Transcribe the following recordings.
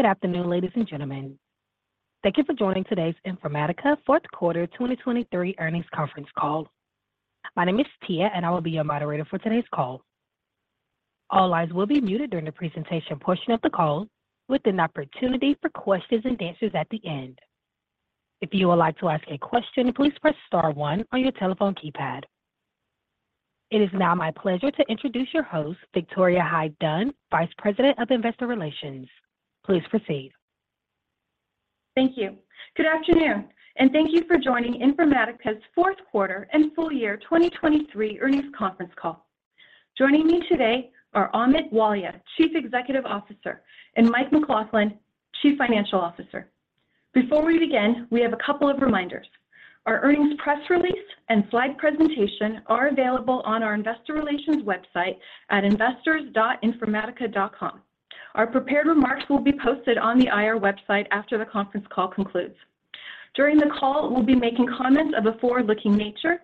Good afternoon, ladies and gentlemen. Thank you for joining today's Informatica fourth quarter 2023 earnings conference call. My name is Tia, and I will be your moderator for today's call. All lines will be muted during the presentation portion of the call, with an opportunity for questions and answers at the end. If you would like to ask a question, please press star 1 on your telephone keypad. It is now my pleasure to introduce your host, Victoria Hyde-Dunn, Vice President of Investor Relations. Please proceed. Thank you. Good afternoon, and thank you for joining Informatica's Fourth Quarter and Full Year 2023 earnings conference call. Joining me today are Amit Walia, Chief Executive Officer, and Mike McLaughlin, Chief Financial Officer. Before we begin, we have a couple of reminders. Our earnings press release and slide presentation are available on our Investor Relations website at investors.informatica.com. Our prepared remarks will be posted on the IR website after the conference call concludes. During the call, we'll be making comments of a forward-looking nature.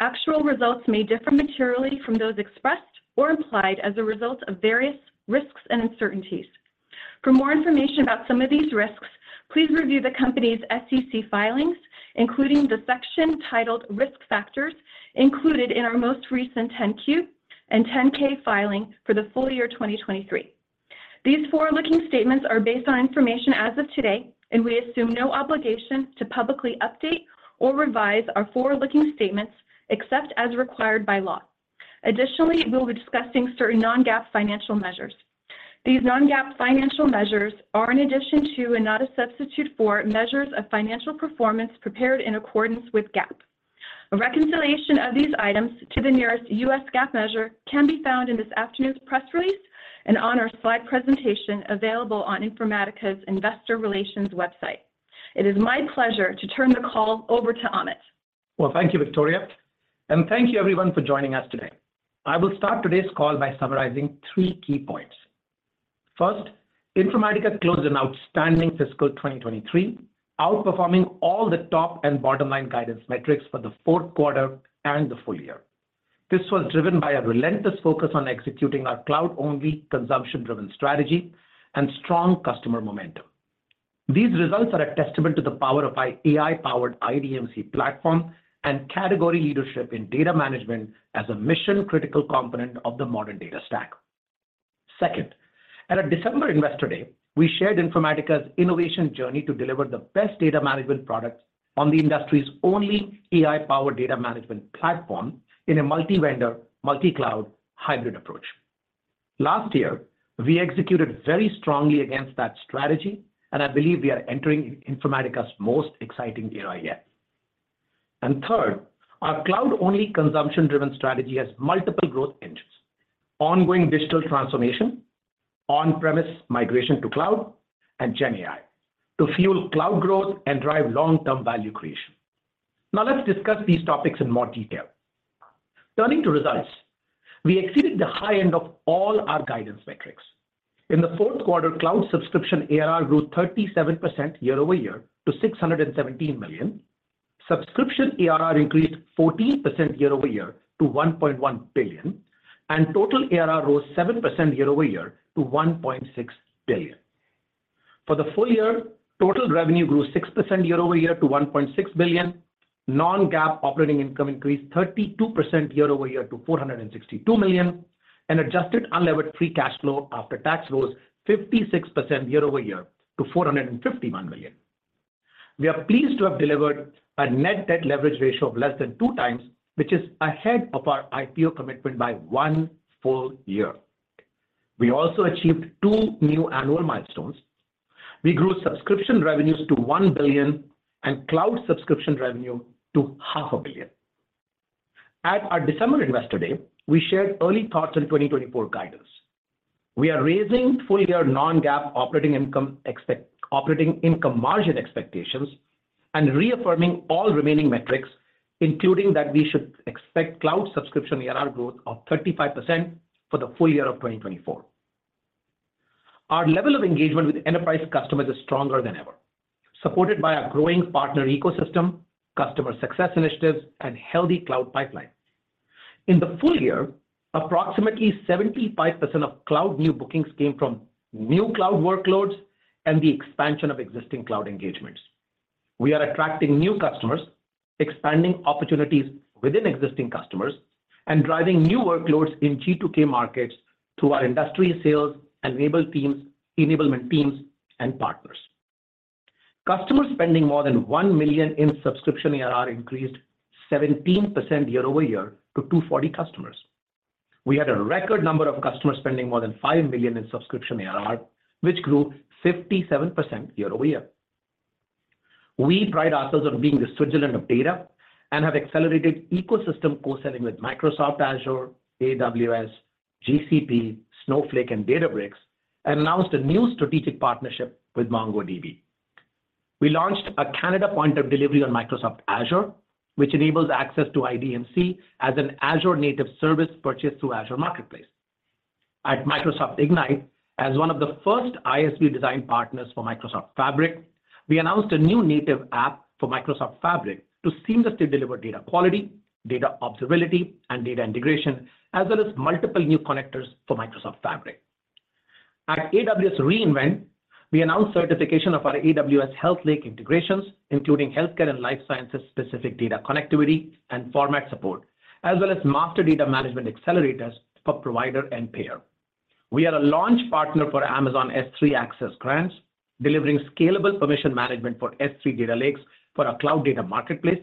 Actual results may differ materially from those expressed or implied as a result of various risks and uncertainties. For more information about some of these risks, please review the company's SEC filings, including the section titled Risk Factors included in our most recent 10-Q and 10-K filing for the full year 2023. These forward-looking statements are based on information as of today, and we assume no obligation to publicly update or revise our forward-looking statements except as required by law. Additionally, we'll be discussing certain non-GAAP financial measures. These non-GAAP financial measures are in addition to and not a substitute for measures of financial performance prepared in accordance with GAAP. A reconciliation of these items to the nearest U.S. GAAP measure can be found in this afternoon's press release and on our slide presentation available on Informatica's Investor Relations website. It is my pleasure to turn the call over to Amit. Well, thank you, Victoria, and thank you, everyone, for joining us today. I will start today's call by summarizing three key points. First, Informatica closed an outstanding fiscal 2023, outperforming all the top and bottom-line guidance metrics for the fourth quarter and the full year. This was driven by a relentless focus on executing our cloud-only, consumption-driven strategy and strong customer momentum. These results are a testament to the power of our AI-powered IDMC platform and category leadership in data management as a mission-critical component of the modern data stack. Second, at a December Investor Day, we shared Informatica's innovation journey to deliver the best data management products on the industry's only AI-powered data management platform in a multi-vendor, multi-cloud hybrid approach. Last year, we executed very strongly against that strategy, and I believe we are entering Informatica's most exciting era yet. And third, our cloud-only, consumption-driven strategy has multiple growth engines: ongoing digital transformation, on-premise migration to cloud, and GenAI to fuel cloud growth and drive long-term value creation. Now, let's discuss these topics in more detail. Turning to results, we exceeded the high end of all our guidance metrics. In the fourth quarter, cloud subscription ARR grew 37% year-over-year to 617 million. Subscription ARR increased 14% year-over-year to $1.1 billion, and total ARR rose 7% year-over-year to 1.6 billion. For the full year, total revenue grew 6% year-over-year to 1.6 billion. Non-GAAP operating income increased 32% year-over-year to 462 million, and adjusted unlevered free cash flow after tax rose 56% year-over-year to 451 million. We are pleased to have delivered a net debt leverage ratio of less than two times, which is ahead of our IPO commitment by one full year. We also achieved two new annual milestones. We grew subscription revenues to 1 billion and cloud subscription revenue to 500 million. At our December Investor Day, we shared early thoughts on 2024 guidance. We are raising full-year non-GAAP operating income margin expectations and reaffirming all remaining metrics, including that we should expect cloud subscription ARR growth of 35% for the full year of 2024. Our level of engagement with enterprise customers is stronger than ever, supported by a growing partner ecosystem, customer success initiatives, and healthy cloud pipeline. In the full year, approximately 75% of cloud new bookings came from new cloud workloads and the expansion of existing cloud engagements. We are attracting new customers, expanding opportunities within existing customers, and driving new workloads in G2K markets through our industry sales enablement teams and partners. Customers spending more than 1 million in subscription ARR increased 17% year-over-year to 240 customers. We had a record number of customers spending more than 5 million in subscription ARR, which grew 57% year-over-year. We pride ourselves on being the Switzerland of data and have accelerated ecosystem co-selling with Microsoft Azure, AWS, GCP, Snowflake, and Databricks, and announced a new strategic partnership with MongoDB. We launched a Canada point of delivery on Microsoft Azure, which enables access to IDMC as an Azure-native service purchased through Azure Marketplace. At Microsoft Ignite, as one of the first ISV design partners for Microsoft Fabric, we announced a new native app for Microsoft Fabric to seamlessly deliver Data Quality, Data Observability, and Data Integration, as well as multiple new connectors for Microsoft Fabric. At AWS re:Invent, we announced certification of our AWS HealthLake integrations, including healthcare and life sciences-specific data connectivity and format support, as well as master data management accelerators for provider and payer. We are a launch partner for Amazon S3 Access Grants, delivering scalable permission management for S3 data lakes for a cloud data marketplace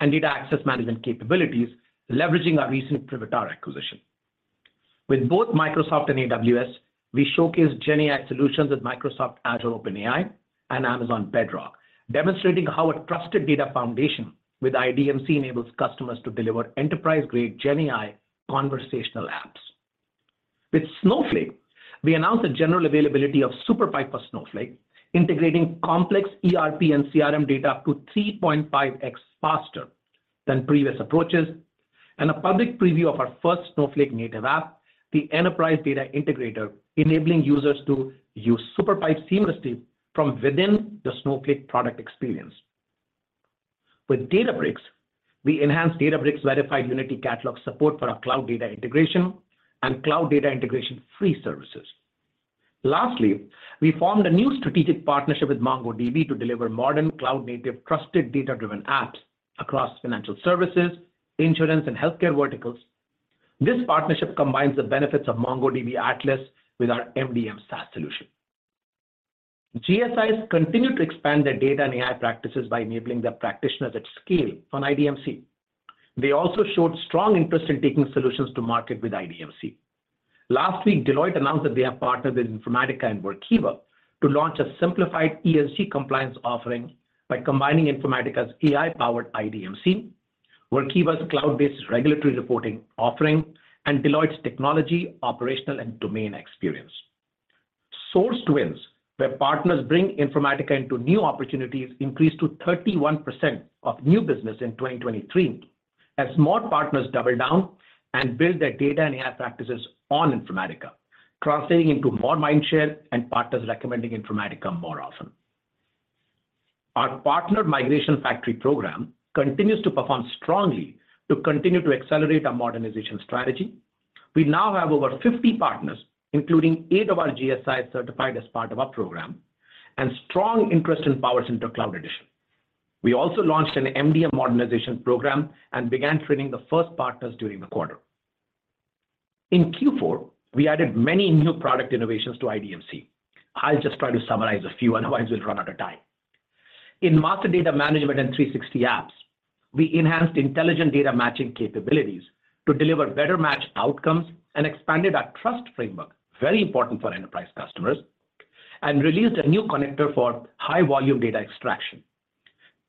and data access management capabilities, leveraging our recent Privitar acquisition. With both Microsoft and AWS, we showcased GenAI solutions with Microsoft Azure OpenAI and Amazon Bedrock, demonstrating how a trusted data foundation with IDMC enables customers to deliver enterprise-grade GenAI conversational apps. With Snowflake, we announced the general availability of SuperPipe for Snowflake, integrating complex ERP and CRM data up to 3.5x faster than previous approaches, and a public preview of our first Snowflake native app, the Enterprise Data Integrator, enabling users to use SuperPipe seamlessly from within the Snowflake product experience. With Databricks, we enhanced Databricks-verified Unity Catalog support for our Cloud Data Integration and Cloud Data Integration Free services. Lastly, we formed a new strategic partnership with MongoDB to deliver modern, cloud-native, trusted data-driven apps across financial services, insurance, and healthcare verticals. This partnership combines the benefits of MongoDB Atlas with our MDM SaaS solution. GSIs continue to expand their data and AI practices by enabling their practitioners at scale on IDMC. They also showed strong interest in taking solutions to market with IDMC. Last week, Deloitte announced that they have partnered with Informatica and Workiva to launch a simplified ESG compliance offering by combining Informatica's AI-powered IDMC, Workiva's cloud-based regulatory reporting offering, and Deloitte's technology, operational, and domain experience. Sourced wins, where partners bring Informatica into new opportunities, increased to 31% of new business in 2023 as more partners doubled down and built their data and AI practices on Informatica, translating into more mindshare and partners recommending Informatica more often. Our Partner Migration Factory program continues to perform strongly to continue to accelerate our modernization strategy. We now have over 50 partners, including eight of our GSIs certified as part of our program and strong interest in PowerCenter Cloud Edition. We also launched an MDM modernization program and began training the first partners during the quarter. In Q4, we added many new product innovations to IDMC. I'll just try to summarize a few, otherwise we'll run out of time. In Master Data Management and 360 Apps, we enhanced intelligent data matching capabilities to deliver better match outcomes and expanded our trust framework, very important for enterprise customers, and released a new connector for high-volume data extraction.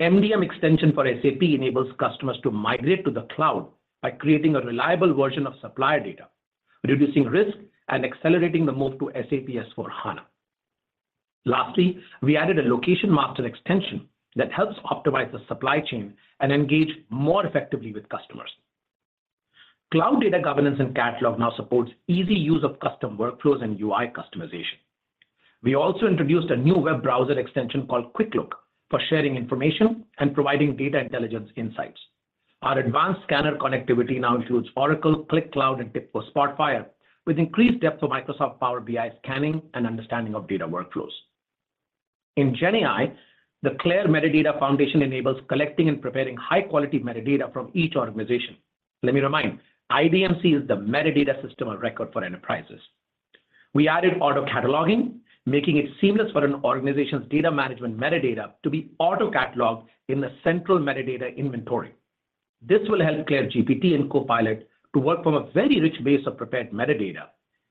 MDM extension for SAP enables customers to migrate to the cloud by creating a reliable version of supplier data, reducing risk, and accelerating the move to SAP S/4HANA. Lastly, we added a Location Master extension that helps optimize the supply chain and engage more effectively with customers. Cloud Data Governance and Catalog now supports easy use of custom workflows and UI customization. We also introduced a new web browser extension called QuickLook for sharing information and providing data intelligence insights. Our advanced scanner connectivity now includes Oracle, Qlik Cloud, and TIBCO Spotfire, with increased depth for Microsoft Power BI scanning and understanding of data workflows. In GenAI, the CLAIRE Metadata Foundation enables collecting and preparing high-quality metadata from each organization. Let me remind, IDMC is the metadata system of record for enterprises. We added auto-cataloging, making it seamless for an organization's data management metadata to be auto-cataloged in the central metadata inventory. This will help CLAIRE GPT and CLAIRE Copilot to work from a very rich base of prepared metadata,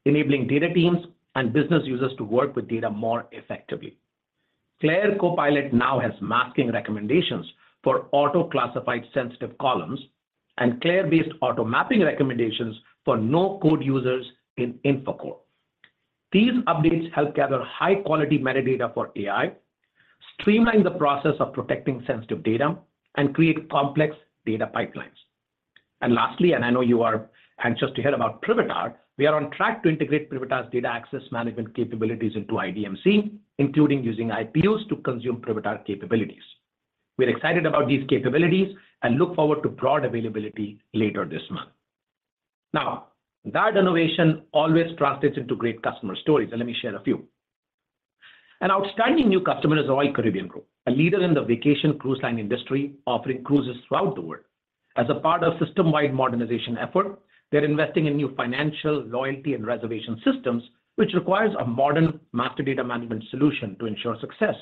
enabling data teams and business users to work with data more effectively. CLAIRE Copilot now has masking recommendations for auto-classified sensitive columns and CLAIRE-based auto-mapping recommendations for no-code users in INFACore. These updates help gather high-quality metadata for AI, streamline the process of protecting sensitive data, and create complex data pipelines. Lastly, and I know you are anxious to hear about Privitar, we are on track to integrate Privitar's data access management capabilities into IDMC, including using IPUs to consume Privitar capabilities. We're excited about these capabilities and look forward to broad availability later this month. Now, that innovation always translates into great customer stories. Let me share a few. An outstanding new customer is Royal Caribbean Group, a leader in the vacation cruise line industry, offering cruises throughout the world. As a part of system-wide modernization effort, they're investing in new financial loyalty and reservation systems, which requires a modern master data management solution to ensure success.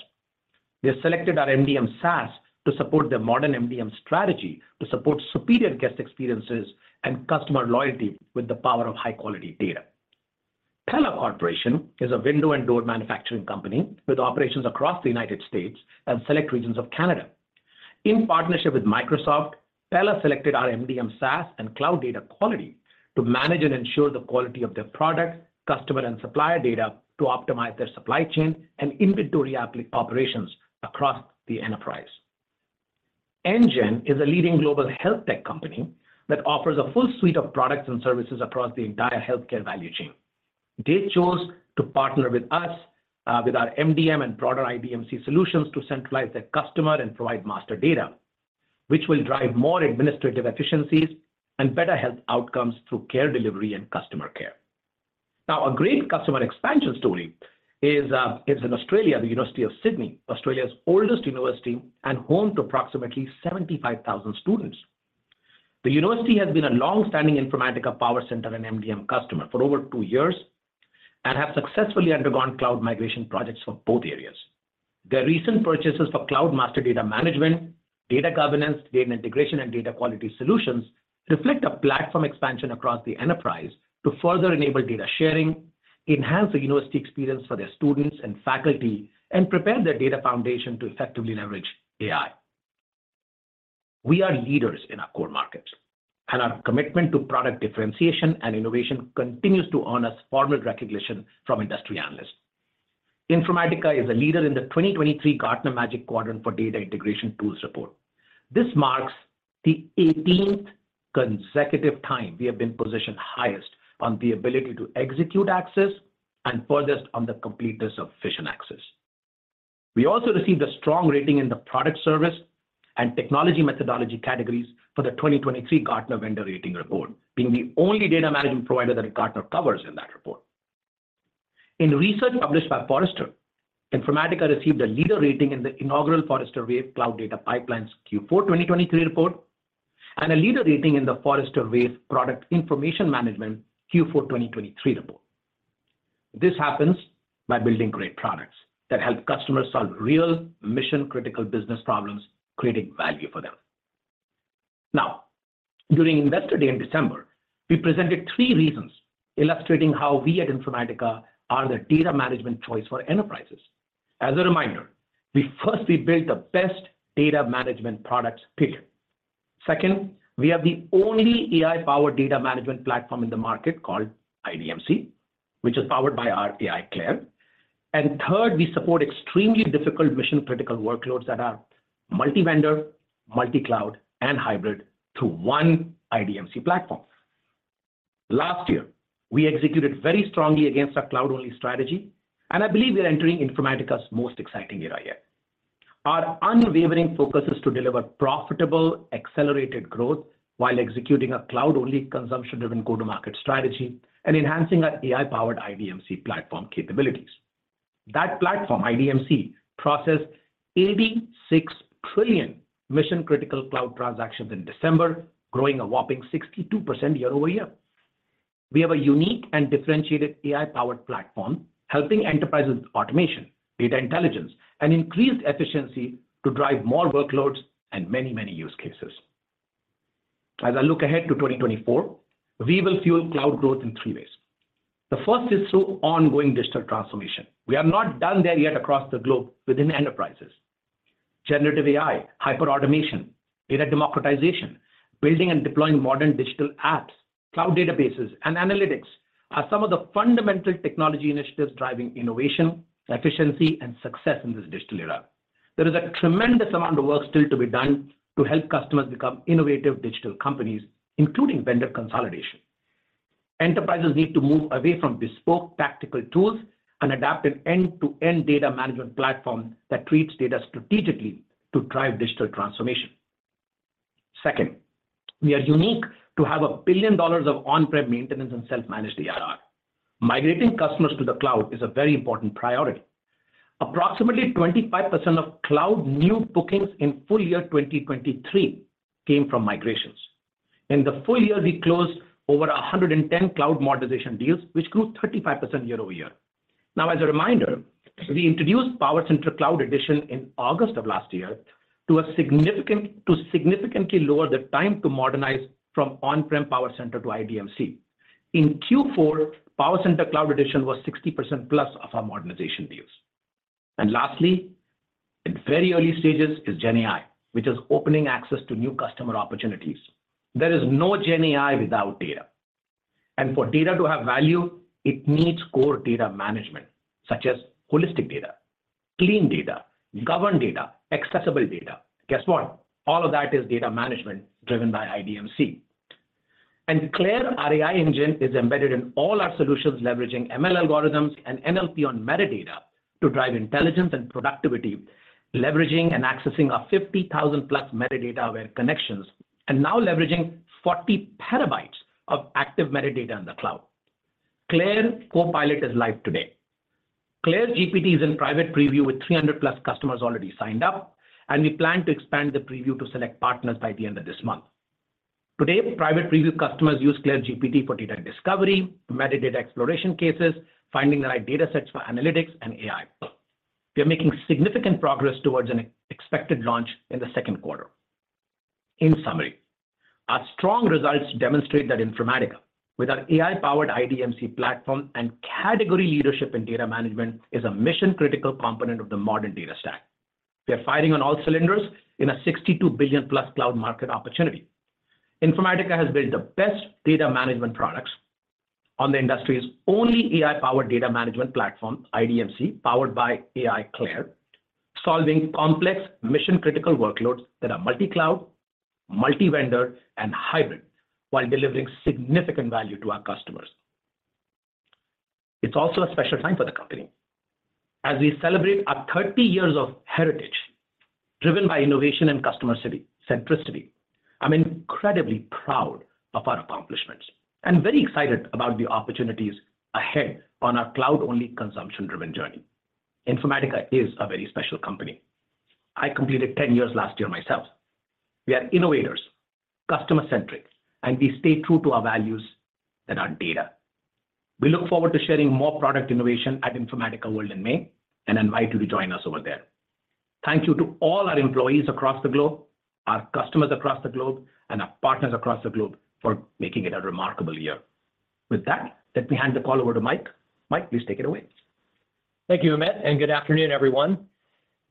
They selected our MDM SaaS to support their modern MDM strategy to support superior guest experiences and customer loyalty with the power of high-quality data. Pella Corporation is a window-and-door manufacturing company with operations across the United States and select regions of Canada. In partnership with Microsoft, Pella selected our MDM SaaS and Cloud Data Quality to manage and ensure the quality of their product, customer, and supplier data to optimize their supply chain and inventory operations across the enterprise. Amgen is a leading global health tech company that offers a full suite of products and services across the entire healthcare value chain. They chose to partner with us, with our MDM and broader IDMC solutions, to centralize their customer and provider master data, which will drive more administrative efficiencies and better health outcomes through care delivery and customer care. Now, a great customer expansion story is in Australia, the University of Sydney, Australia's oldest university and home to approximately 75,000 students. The university has been a longstanding Informatica PowerCenter and MDM customer for over two years and has successfully undergone cloud migration projects for both areas. Their recent purchases for Cloud Master Data Management, Data Governance, Data Integration, and Data Quality solutions reflect a platform expansion across the enterprise to further enable data sharing, enhance the university experience for their students and faculty, and prepare their data foundation to effectively leverage AI. We are leaders in our core markets, and our commitment to product differentiation and innovation continues to earn us formal recognition from industry analysts. Informatica is a leader in the 2023 Gartner Magic Quadrant for Data Integration Tools Report. This marks the 18th consecutive time we have been positioned highest on the ability to execute axis and furthest on the completeness of vision axis. We also received a strong rating in the product service and technology methodology categories for the 2023 Gartner Vendor Rating Report, being the only data management provider that Gartner covers in that report. In research published by Forrester, Informatica received a leader rating in the inaugural Forrester Wave Cloud Data Pipelines Q4 2023 report and a leader rating in the Forrester Wave Product Information Management Q4 2023 report. This happens by building great products that help customers solve real mission-critical business problems, creating value for them. Now, during Investor Day in December, we presented three reasons illustrating how we at Informatica are the data management choice for enterprises. As a reminder, first, we built the best data management products, period. Second, we have the only AI-powered data management platform in the market called IDMC, which is powered by our AI CLAIRE. And third, we support extremely difficult mission-critical workloads that are multi-vendor, multi-cloud, and hybrid through one IDMC platform. Last year, we executed very strongly against our cloud-only strategy, and I believe we're entering Informatica's most exciting era yet. Our unwavering focus is to deliver profitable, accelerated growth while executing a cloud-only, consumption-driven go-to-market strategy and enhancing our AI-powered IDMC platform capabilities. That platform, IDMC, processed 86 trillion mission-critical cloud transactions in December, growing a whopping 62% year-over-year. We have a unique and differentiated AI-powered platform helping enterprises with automation, data intelligence, and increased efficiency to drive more workloads and many, many use cases. As I look ahead to 2024, we will fuel cloud growth in three ways. The first is through ongoing digital transformation. We are not done there yet across the globe within enterprises. Generative AI, hyper-automation, data democratization, building and deploying modern digital apps, cloud databases, and analytics are some of the fundamental technology initiatives driving innovation, efficiency, and success in this digital era. There is a tremendous amount of work still to be done to help customers become innovative digital companies, including vendor consolidation. Enterprises need to move away from bespoke tactical tools and adopt an end-to-end data management platform that treats data strategically to drive digital transformation. Second, we are unique to have $500 billion of on-prem maintenance and self-managed ARR. Migrating customers to the cloud is a very important priority. Approximately 25% of cloud new bookings in full year 2023 came from migrations. In the full year, we closed over 110 cloud modernization deals, which grew 35% year-over-year. Now, as a reminder, we introduced PowerCenter Cloud Edition in August of last year to significantly lower the time to modernize from on-prem PowerCenter to IDMC. In Q4, PowerCenter Cloud Edition was 60%+ of our modernization deals. Lastly, in very early stages is GenAI, which is opening access to new customer opportunities. There is no GenAI without data. For data to have value, it needs core data management, such as holistic data, clean data, governed data, accessible data. Guess what? All of that is data management driven by IDMC. CLAIRE AI Engine is embedded in all our solutions, leveraging ML algorithms and NLP on metadata to drive intelligence and productivity, leveraging and accessing our 50,000+ metadata-aware connections and now leveraging 40 TB of active metadata in the cloud. CLAIRE Copilot is live today. CLAIRE GPT is in private preview with 300+ customers already signed up, and we plan to expand the preview to select partners by the end of this month. Today, private preview customers use CLAIRE GPT for data discovery, metadata exploration cases, finding the right datasets for analytics, and AI. We are making significant progress towards an expected launch in the second quarter. In summary, our strong results demonstrate that Informatica, with our AI-powered IDMC platform and category leadership in data management, is a mission-critical component of the modern data stack. We are firing on all cylinders in a $62 billion+ cloud market opportunity. Informatica has built the best data management products on the industry's only AI-powered data management platform, IDMC, powered by CLAIRE, solving complex mission-critical workloads that are multi-cloud, multi-vendor, and hybrid while delivering significant value to our customers. It's also a special time for the company. As we celebrate our 30 years of heritage driven by innovation and customer centricity, I'm incredibly proud of our accomplishments and very excited about the opportunities ahead on our cloud-only, consumption-driven journey. Informatica is a very special company. I completed 10 years last year myself. We are innovators, customer-centric, and we stay true to our values that are data. We look forward to sharing more product innovation at Informatica World in May and invite you to join us over there. Thank you to all our employees across the globe, our customers across the globe, and our partners across the globe for making it a remarkable year. With that, let me hand the call over to Mike. Mike, please take it away. Thank you, Amit, and good afternoon, everyone.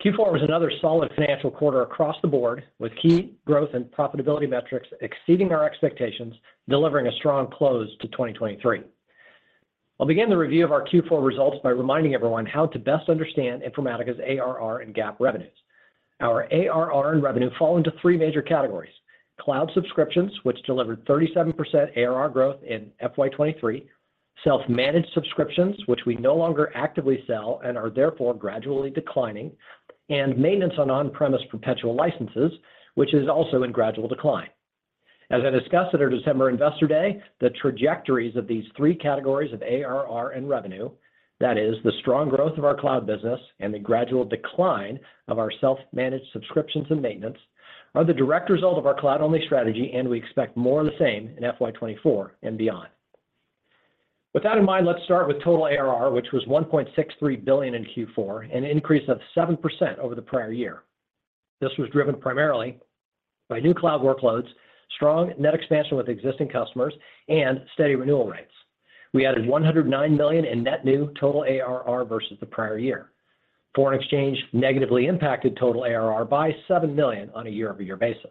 Q4 was another solid financial quarter across the board, with key growth and profitability metrics exceeding our expectations, delivering a strong close to 2023. I'll begin the review of our Q4 results by reminding everyone how to best understand Informatica's ARR and GAAP revenues. Our ARR and revenue fall into three major categories: cloud subscriptions, which delivered 37% ARR growth in FY23, self-managed subscriptions, which we no longer actively sell and are therefore gradually declining, and maintenance on on-premise perpetual licenses, which is also in gradual decline. As I discussed at our December Investor Day, the trajectories of these three categories of ARR and revenue, that is, the strong growth of our cloud business and the gradual decline of our self-managed subscriptions and maintenance, are the direct result of our cloud-only strategy, and we expect more of the same in FY24 and beyond. With that in mind, let's start with total ARR, which was 1.63 billion in Q4, an increase of 7% over the prior year. This was driven primarily by new cloud workloads, strong net expansion with existing customers, and steady renewal rates. We added 109 million in net new total ARR versus the prior year. Foreign exchange negatively impacted total ARR by 7 million on a year-over-year basis.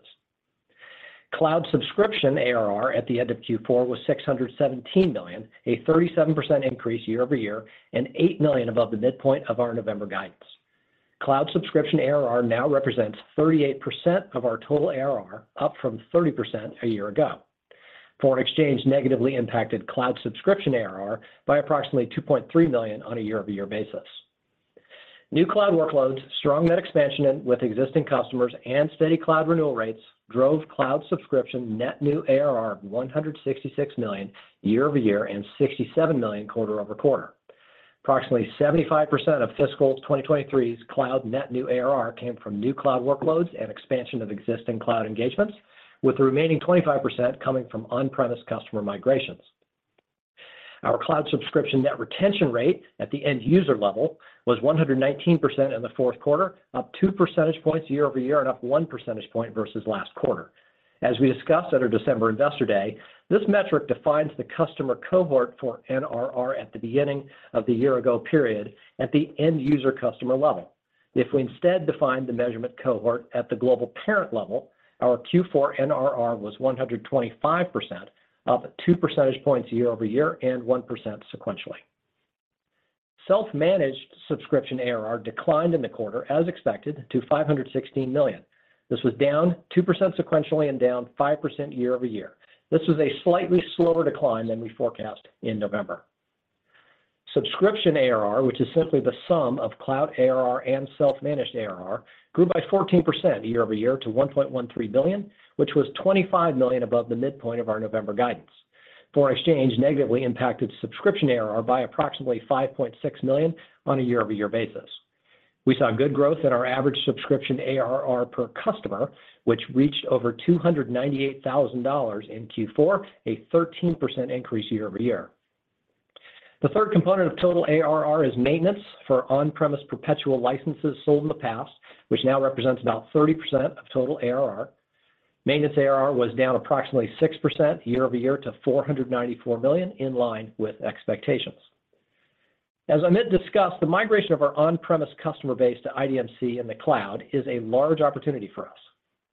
Cloud subscription ARR at the end of Q4 was 617 million, a 37% increase year-over-year and 8 million above the midpoint of our November guidance. Cloud subscription ARR now represents 38% of our total ARR, up from 30% a year ago. Foreign exchange negatively impacted cloud subscription ARR by approximately 2.3 million on a year-over-year basis. New cloud workloads, strong net expansion with existing customers, and steady cloud renewal rates drove cloud subscription net new ARR of 166 million year-over-year and 67 million quarter-over-quarter. Approximately 75% of fiscal 2023's cloud net new ARR came from new cloud workloads and expansion of existing cloud engagements, with the remaining 25% coming from on-premise customer migrations. Our cloud subscription net retention rate at the end-user level was 119% in the fourth quarter, up two percentage points year-over-year and up one percentage point versus last quarter. As we discussed at our December Investor Day, this metric defines the customer cohort for NRR at the beginning of the year-ago period at the end-user customer level. If we instead define the measurement cohort at the global parent level, our Q4 NRR was 125%, up two percentage points year-over-year and 1% sequentially. Self-managed subscription ARR declined in the quarter, as expected, to 516 million. This was down 2% sequentially and down 5% year-over-year. This was a slightly slower decline than we forecast in November. Subscription ARR, which is simply the sum of cloud ARR and self-managed ARR, grew by 14% year-over-year to 1.13 billion, which was 25 million above the midpoint of our November guidance. Foreign exchange negatively impacted subscription ARR by approximately 5.6 million on a year-over-year basis. We saw good growth in our average subscription ARR per customer, which reached over $298,000 in Q4, a 13% increase year-over-year. The third component of total ARR is maintenance for on-premise perpetual licenses sold in the past, which now represents about 30% of total ARR. Maintenance ARR was down approximately 6% year-over-year to 494 million, in line with expectations. As Amit discussed, the migration of our on-premises customer base to IDMC in the cloud is a large opportunity for us.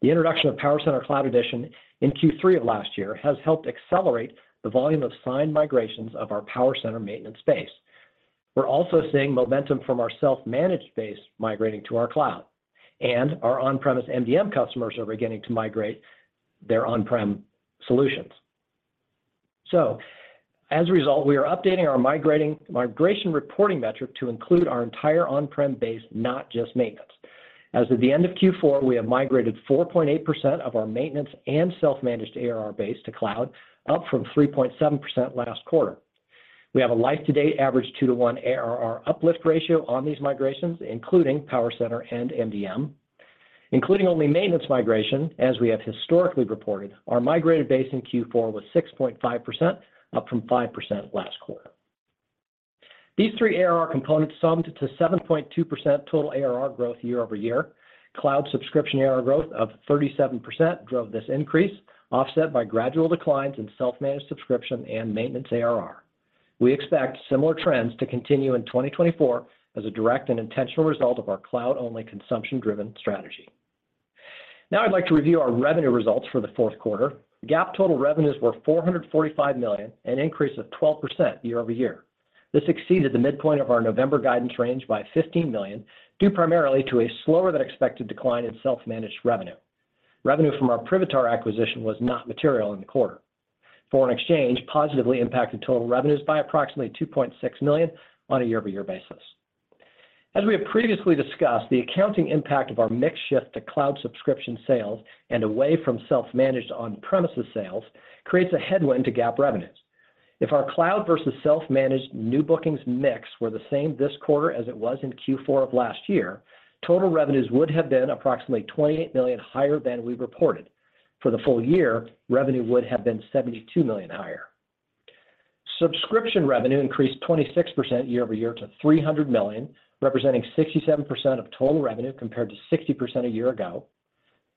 The introduction of PowerCenter Cloud Edition in Q3 of last year has helped accelerate the volume of signed migrations of our PowerCenter maintenance base. We're also seeing momentum from our self-managed base migrating to our cloud, and our on-premises MDM customers are beginning to migrate their on-prem solutions. So as a result, we are updating our migration reporting metric to include our entire on-prem base, not just maintenance. As of the end of Q4, we have migrated 4.8% of our maintenance and self-managed ARR base to cloud, up from 3.7% last quarter. We have a life-to-date average 2:1 ARR uplift ratio on these migrations, including PowerCenter and MDM. Including only maintenance migration, as we have historically reported, our migrated base in Q4 was 6.5%, up from 5% last quarter. These three ARR components summed to 7.2% total ARR growth year-over-year. Cloud subscription ARR growth of 37% drove this increase, offset by gradual declines in self-managed subscription and maintenance ARR. We expect similar trends to continue in 2024 as a direct and intentional result of our cloud-only, consumption-driven strategy. Now I'd like to review our revenue results for the fourth quarter. GAAP total revenues were 445 million, an increase of 12% year-over-year. This exceeded the midpoint of our November guidance range by 15 million, due primarily to a slower-than-expected decline in self-managed revenue. Revenue from our Privitar acquisition was not material in the quarter. Foreign exchange positively impacted total revenues by approximately 2.6 million on a year-over-year basis. As we have previously discussed, the accounting impact of our mix shift to cloud subscription sales and away from self-managed on-premises sales creates a headwind to GAAP revenues. If our cloud versus self-managed new bookings mix were the same this quarter as it was in Q4 of last year, total revenues would have been approximately 28 million higher than we reported. For the full year, revenue would have been 72 million higher. Subscription revenue increased 26% year-over-year to 300 million, representing 67% of total revenue compared to 60% a year ago.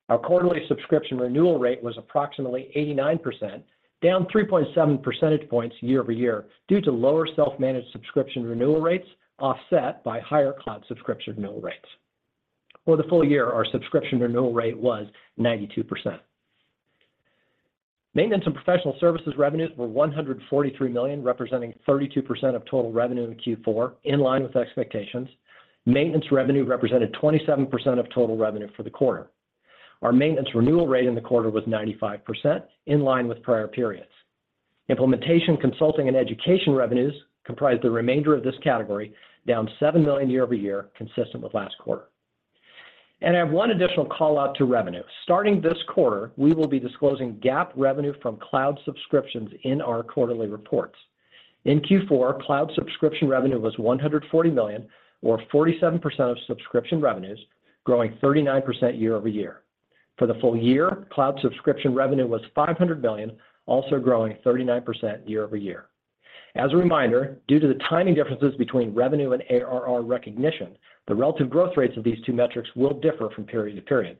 Our quarterly subscription renewal rate was approximately 89%, down 3.7 percentage points year-over-year due to lower self-managed subscription renewal rates, offset by higher cloud subscription renewal rates. For the full year, our subscription renewal rate was 92%. Maintenance and professional services revenues were 143 million, representing 32% of total revenue in Q4, in line with expectations. Maintenance revenue represented 27% of total revenue for the quarter. Our maintenance renewal rate in the quarter was 95%, in line with prior periods. Implementation, consulting, and education revenues comprised the remainder of this category, down 7 million year-over-year, consistent with last quarter. I have one additional call-out to revenue. Starting this quarter, we will be disclosing GAAP revenue from cloud subscriptions in our quarterly reports. In Q4, cloud subscription revenue was 140 million, or 47% of subscription revenues, growing 39% year-over-year. For the full year, cloud subscription revenue was 500 million, also growing 39% year-over-year. As a reminder, due to the timing differences between revenue and ARR recognition, the relative growth rates of these two metrics will differ from period to period.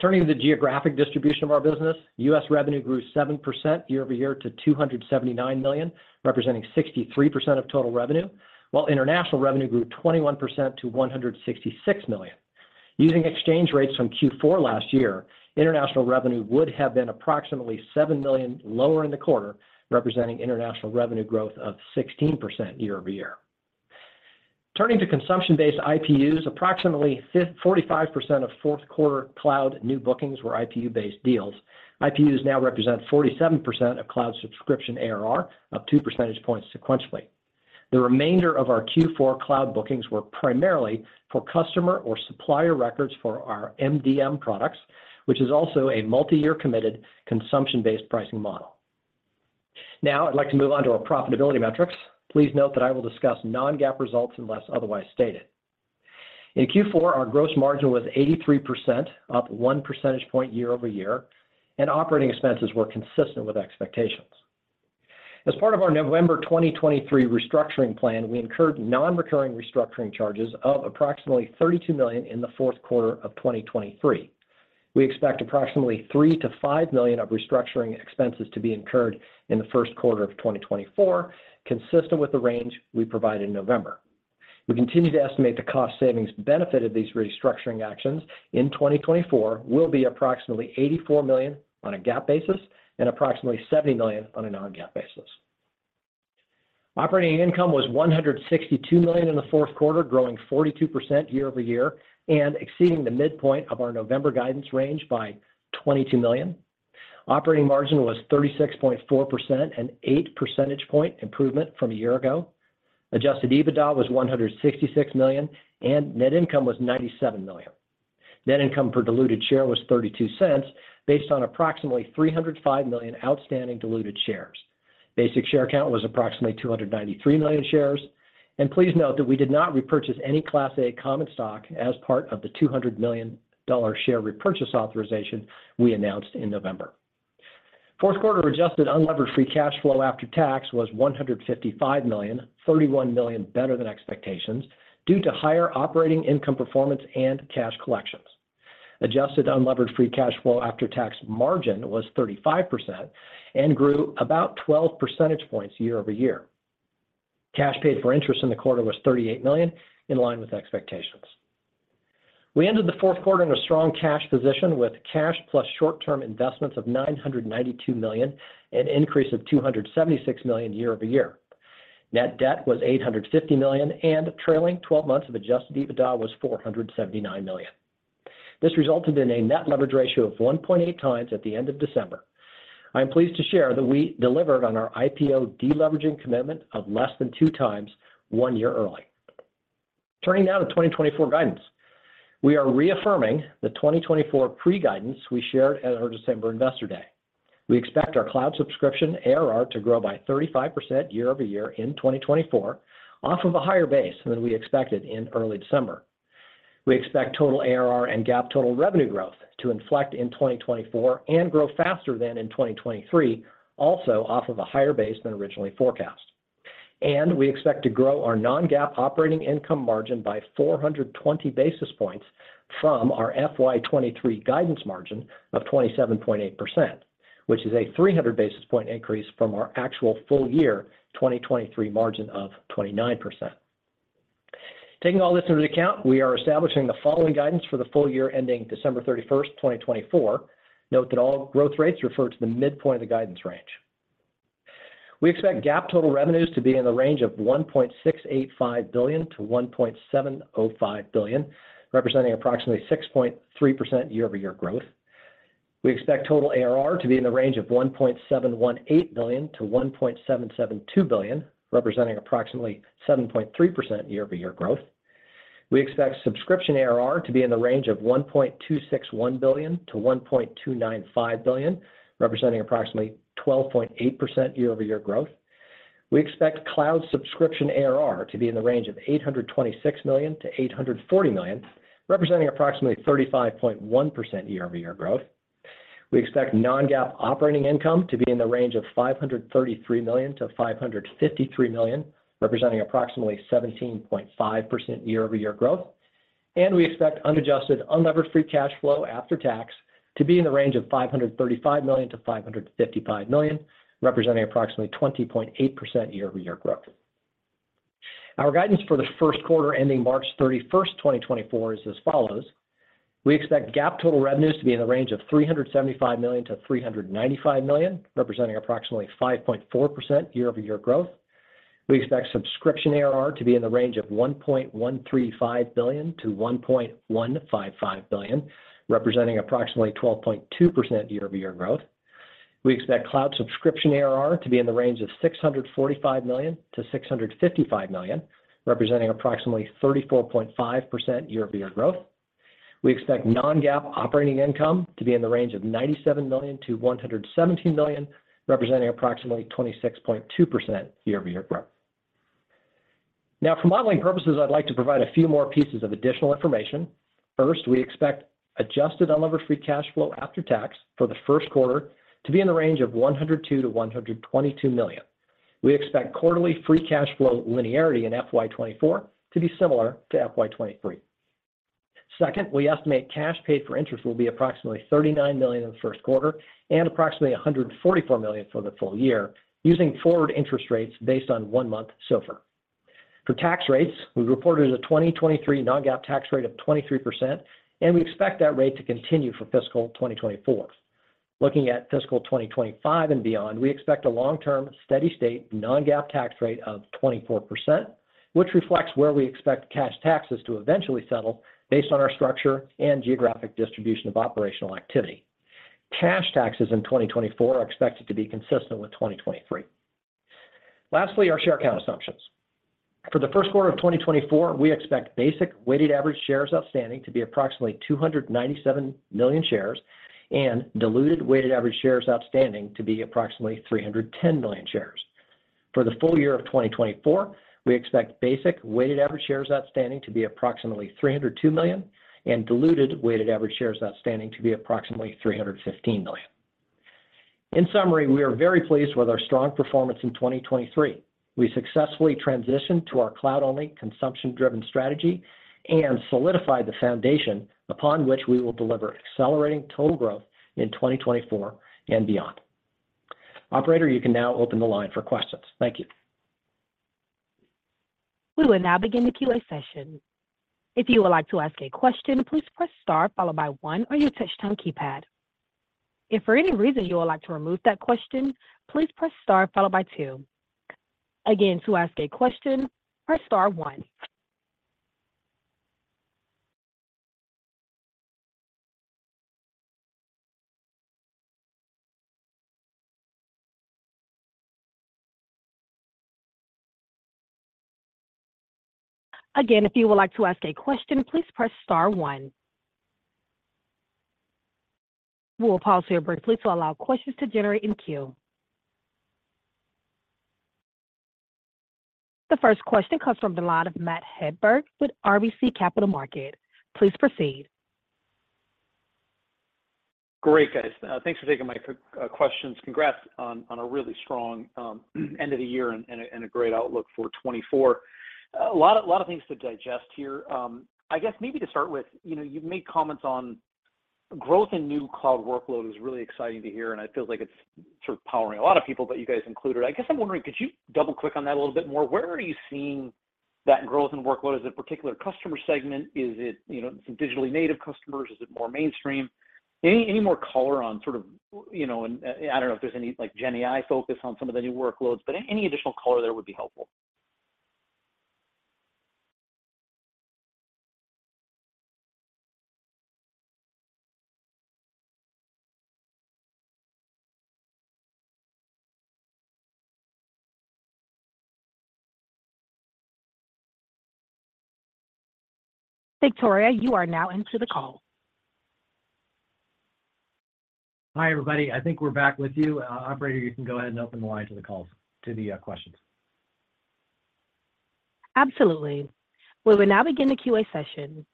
Turning to the geographic distribution of our business, U.S. revenue grew 7% year-over-year to 279 million, representing 63% of total revenue, while international revenue grew 21% to 166 million. Using exchange rates from Q4 last year, international revenue would have been approximately 7 million lower in the quarter, representing international revenue growth of 16% year-over-year. Turning to consumption-based IPUs, approximately 45% of fourth-quarter cloud new bookings were IPU-based deals. IPUs now represent 47% of cloud subscription ARR, up two percentage points sequentially. The remainder of our Q4 cloud bookings were primarily for customer or supplier records for our MDM products, which is also a multi-year committed consumption-based pricing model. Now I'd like to move on to our profitability metrics. Please note that I will discuss non-GAAP results unless otherwise stated. In Q4, our gross margin was 83%, up one percentage point year-over-year, and operating expenses were consistent with expectations. As part of our November 2023 restructuring plan, we incurred non-recurring restructuring charges of approximately 32 million in the fourth quarter of 2023. We expect approximately 3 million-5 million of restructuring expenses to be incurred in the first quarter of 2024, consistent with the range we provided in November. We continue to estimate the cost savings benefit of these restructuring actions in 2024 will be approximately 84 million on a GAAP basis and approximately 70 million on a non-GAAP basis. Operating income ws $162 million in the fourth quarter, growing 42% year-over-year and exceeding the midpoint of our November guidance range by 22 million. Operating margin was 36.4%, an eight percentage point improvement from a year ago. Adjusted EBITDA was $166 million, and net income was 97 million. Net income per diluted share was 0.32, based on approximately 305 million outstanding diluted shares. Basic share count was approximately 293 million shares. Please note that we did not repurchase any Class A common stock as part of the 200 million share repurchase authorization we announced in November. Fourth-quarter adjusted unlevered free cash flow after tax was 155 million, 31 million better than expectations, due to higher operating income performance and cash collections. Adjusted unlevered free cash flow after tax margin was 35% and grew about 12 percentage points year-over-year. Cash paid for interest in the quarter was 38 million, in line with expectations. We ended the fourth quarter in a strong cash position with cash plus short-term investments of 992 million, an increase of 276 million year-over-year. Net debt was 850 million, and trailing 12 months of adjusted EBITDA was 479 million. This resulted in a net leverage ratio of 1.8 times at the end of December. I am pleased to share that we delivered on our IPO deleveraging commitment of less than two times one year early. Turning now to 2024 guidance, we are reaffirming the 2024 pre-guidance we shared at our December Investor Day. We expect our cloud subscription ARR to grow by 35% year-over-year in 2024, off of a higher base than we expected in early December. We expect total ARR and GAAP total revenue growth to inflect in 2024 and grow faster than in 2023, also off of a higher base than originally forecast. And we expect to grow our non-GAAP operating income margin by 420 basis points from our FY23 guidance margin of 27.8%, which is a 300 basis point increase from our actual full year 2023 margin of 29%. Taking all this into account, we are establishing the following guidance for the full year ending December 31st, 2024. Note that all growth rates refer to the midpoint of the guidance range. We expect GAAP total revenues to be in the range of 1.685 billion-1.705 billion, representing approximately 6.3% year-over-year growth. We expect total ARR to be in the range of 1.718 billion-1.772 billion, representing approximately 7.3% year-over-year growth. We expect subscription ARR to be in the range of 1.261 billion-1.295 billion, representing approximately 12.8% year-over-year growth. We expect cloud subscription ARR to be in the range of 826 million-840 million, representing approximately 35.1% year-over-year growth. We expect non-GAAP operating income to be in the range of 533 million-553 million, representing approximately 17.5% year-over-year growth. We expect adjusted unlevered free cash flow after tax to be in the range of 535 million-555 million, representing approximately 20.8% year-over-year growth. Our guidance for the first quarter ending March 31st, 2024, is as follows. We expect GAAP total revenues to be in the range of 375 million-395 million, representing approximately 5.4% year-over-year growth. We expect subscription ARR to be in the range of 1.135 billion-1.155 billion, representing approximately 12.2% year-over-year growth. We expect cloud subscription ARR to be in the range of 645 million-655 million, representing approximately 34.5% year-over-year growth. We expect non-GAAP operating income to be in the range of 97 million-117 million, representing approximately 26.2% year-over-year growth. Now, for modeling purposes, I'd like to provide a few more pieces of additional information. First, we expect adjusted unlevered free cash flow after tax for the first quarter to be in the range of 102 million-122 million. We expect quarterly free cash flow linearity in FY24 to be similar to FY23. Second, we estimate cash paid for interest will be approximately 39 million in the first quarter and approximately 144 million for the full year, using forward interest rates based on one month so far. For tax rates, we reported a 2023 non-GAAP tax rate of 23%, and we expect that rate to continue for fiscal 2024. Looking at fiscal 2025 and beyond, we expect a long-term steady-state non-GAAP tax rate of 24%, which reflects where we expect cash taxes to eventually settle based on our structure and geographic distribution of operational activity. Cash taxes in 2024 are expected to be consistent with 2023. Lastly, our share count assumptions. For the first quarter of 2024, we expect basic weighted average shares outstanding to be approximately 297 million shares, and diluted weighted average shares outstanding to be approximately 310 million shares. For the full year of 2024, we expect basic weighted average shares outstanding to be approximately 302 million, and diluted weighted average shares outstanding to be approximately 315 million. In summary, we are very pleased with our strong performance in 2023. We successfully transitioned to our cloud-only, consumption-driven strategy and solidified the foundation upon which we will deliver accelerating total growth in 2024 and beyond. Operator, you can now open the line for questions. Thank you. We will now begin the QA session. If you would like to ask a question, please press star followed by one on your touchscreen keypad. If for any reason you would like to remove that question, please press star followed by two. Again, to ask a question, press star one. Again, if you would like to ask a question, please press star one. We will pause here briefly to allow questions to generate in queue. The first question comes from the line of Matt Hedberg with RBC Capital Markets. Please proceed. Great, guys. Thanks for taking my questions. Congrats on a really strong end of the year and a great outlook for 2024. A lot of things to digest here. I guess maybe to start with, you've made comments on growth in new cloud workload is really exciting to hear, and it feels like it's powering a lot of people, but you guys included it. I guess I'm wondering, could you double-click on that a little bit more? Where are you seeing that growth in workload? Is it a particular customer segment? Is it some digitally native customers? Is it more mainstream? Any more color on sort of I don't know if there's any GenAI focus on some of the new workloads, but any additional color there would be helpful. Victoria, you are now into the call. Hi, everybody. I think we're back with you. Operator, you can go ahead and open the line to the questions. Absolutely. We will now begin the QA session.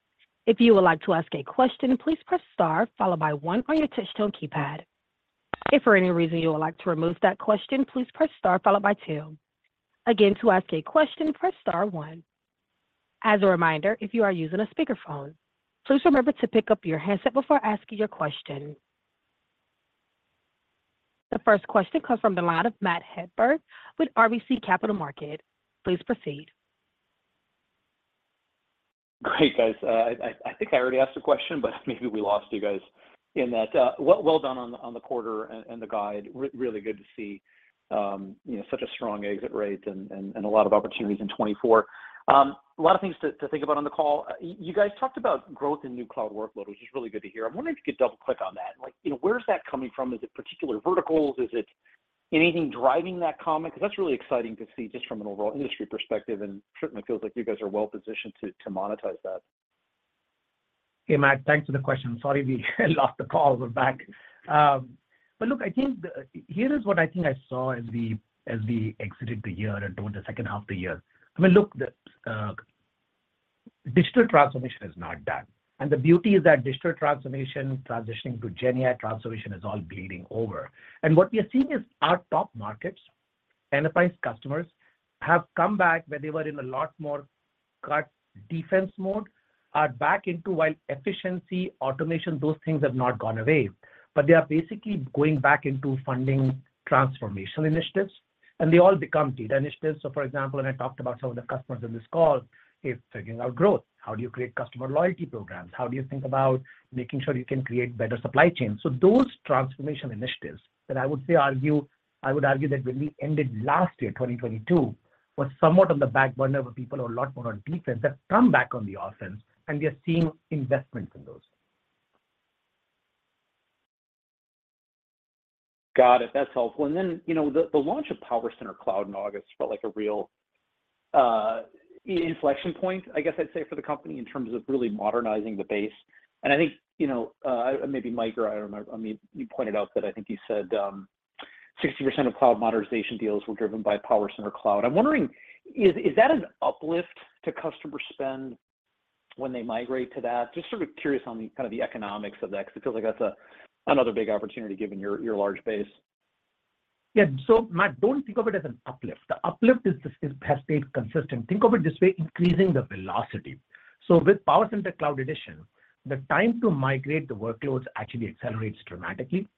If you would like to ask a question, please press star followed by one on your touchscreen keypad. If for any reason you would like to remove that question, please press star followed by two. Again, to ask a question, press star one. As a reminder, if you are using a speakerphone, please remember to pick up your handset before asking your question. The first question comes from the line of Matt Hedberg with RBC Capital Markets. Please proceed. Great, guys. I think I already asked a question, but maybe we lost you guys in that. Well done on the quarter and the guide. Really good to see such a strong exit rate and a lot of opportunities in 2024. A lot of things to think about on the call. You guys talked about growth in new cloud workload, which is really good to hear. I'm wondering if you could double-click on that. Where's that coming from? Is it particular verticals? Is it anything driving that comment? Because that's really exciting to see just from an overall industry perspective, and certainly feels like you guys are well positioned to monetize that. Hey, Matt, thanks for the question. Sorry we lost the call. We're back. But look, I think here is what I think I saw as we exited the year and toward the second half of the year. I mean, look, digital transformation is not done. And the beauty is that digital transformation, transitioning to GenAI transformation, is all bleeding over. And what we are seeing is our top markets, enterprise customers, have come back where they were in a lot more cut-defense mode, are back into while efficiency, automation, those things have not gone away. But they are basically going back into funding transformational initiatives, and they all become data initiatives. So, for example, when I talked about some of the customers in this call, figuring out growth, how do you create customer loyalty programs? How do you think about making sure you can create better supply chains? Those transformational initiatives that I would argue that, when we ended last year, 2022, were somewhat on the back burner of people who are a lot more on defense have come back on the offense, and we are seeing investments in those. Got it. That's helpful. And then the launch of PowerCenter Cloud in August felt like a real inflection point, I guess I'd say, for the company in terms of really modernizing the base. And I think maybe Mike or I don't know. I mean, you pointed out that I think you said 60% of cloud modernization deals were driven by PowerCenter Cloud. I'm wondering, is that an uplift to customer spend when they migrate to that? Just sort of curious on kind of the economics of that because it feels like that's another big opportunity given your large base. Yeah. So, Matt, don't think of it as an uplift. The uplift has stayed consistent. Think of it this way: increasing the velocity. So with PowerCenter Cloud Edition, the time to migrate the workloads actually accelerates dramatically.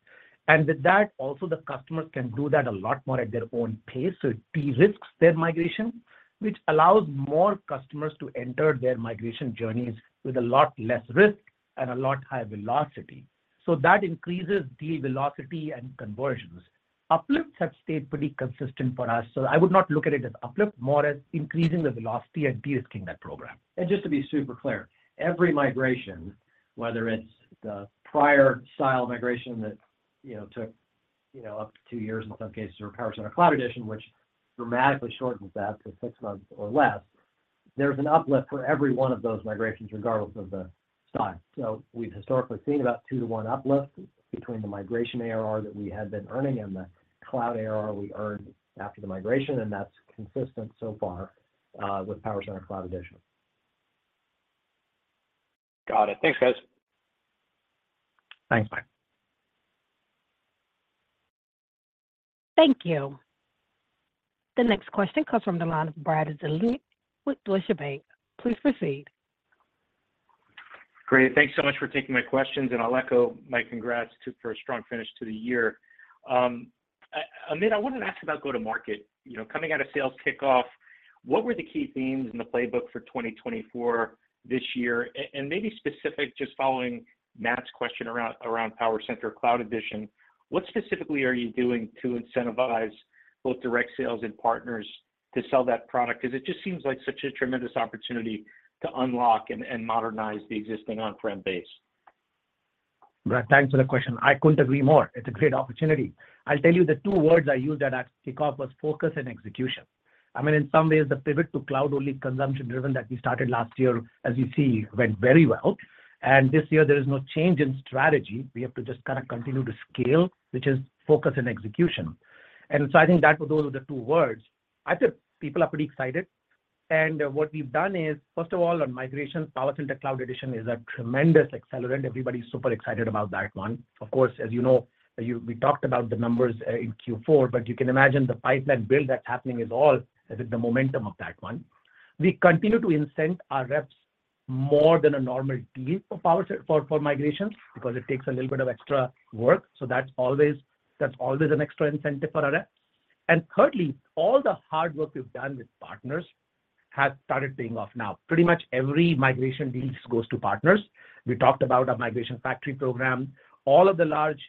And with that, also, the customers can do that a lot more at their own pace. So it de-risks their migration, which allows more customers to enter their migration journeys with a lot less risk and a lot higher velocity. So that increases the velocity and conversions. Uplifts have stayed pretty consistent for us. So I would not look at it as uplift, more as increasing the velocity and de-risking that program. Just to be super clear, every migration, whether it's the prior style migration that took up to two years in some cases or PowerCenter Cloud Edition, which dramatically shortens that to six months or less, there's an uplift for every one of those migrations regardless of the style. So we've historically seen about two-one uplift between the migration ARR that we had been earning and the cloud ARR we earned after the migration, and that's consistent so far with PowerCenter Cloud Edition. Got it. Thanks, guys. Thanks, Matt. Thank you. The next question comes from the line of Brad Zelnick with Deutsche Bank. Please proceed. Great. Thanks so much for taking my questions, and I'll echo my congrats for a strong finish to the year. Amit, I wanted to ask about go-to-market. Coming out of sales kickoff, what were the key themes and the playbook for 2024, this year? And maybe specific, just following Matt's question around PowerCenter Cloud Edition, what specifically are you doing to incentivize both direct sales and partners to sell that product? Because it just seems like such a tremendous opportunity to unlock and modernize the existing on-prem base. Right. Thanks for the question. I couldn't agree more. It's a great opportunity. I'll tell you, the two words I used at that kickoff were focus and execution. I mean, in some ways, the pivot to Cloud-Only, Consumption-Driven that we started last year, as you see, went very well. And this year, there is no change in strategy. We have to just kind of continue to scale, which is focus and execution. And so I think those were the two words. I think people are pretty excited. And what we've done is, first of all, on migration, PowerCenter Cloud Edition is a tremendous accelerant. Everybody's super excited about that one. Of course, as you know, we talked about the numbers in Q4, but you can imagine the pipeline build that's happening is all the momentum of that one. We continue to incent our reps more than a normal deal for migrations because it takes a little bit of extra work. So that's always an extra incentive for our reps. And thirdly, all the hard work we've done with partners has started paying off now. Pretty much every migration deal goes to partners. We talked about our migration factory program. All of the large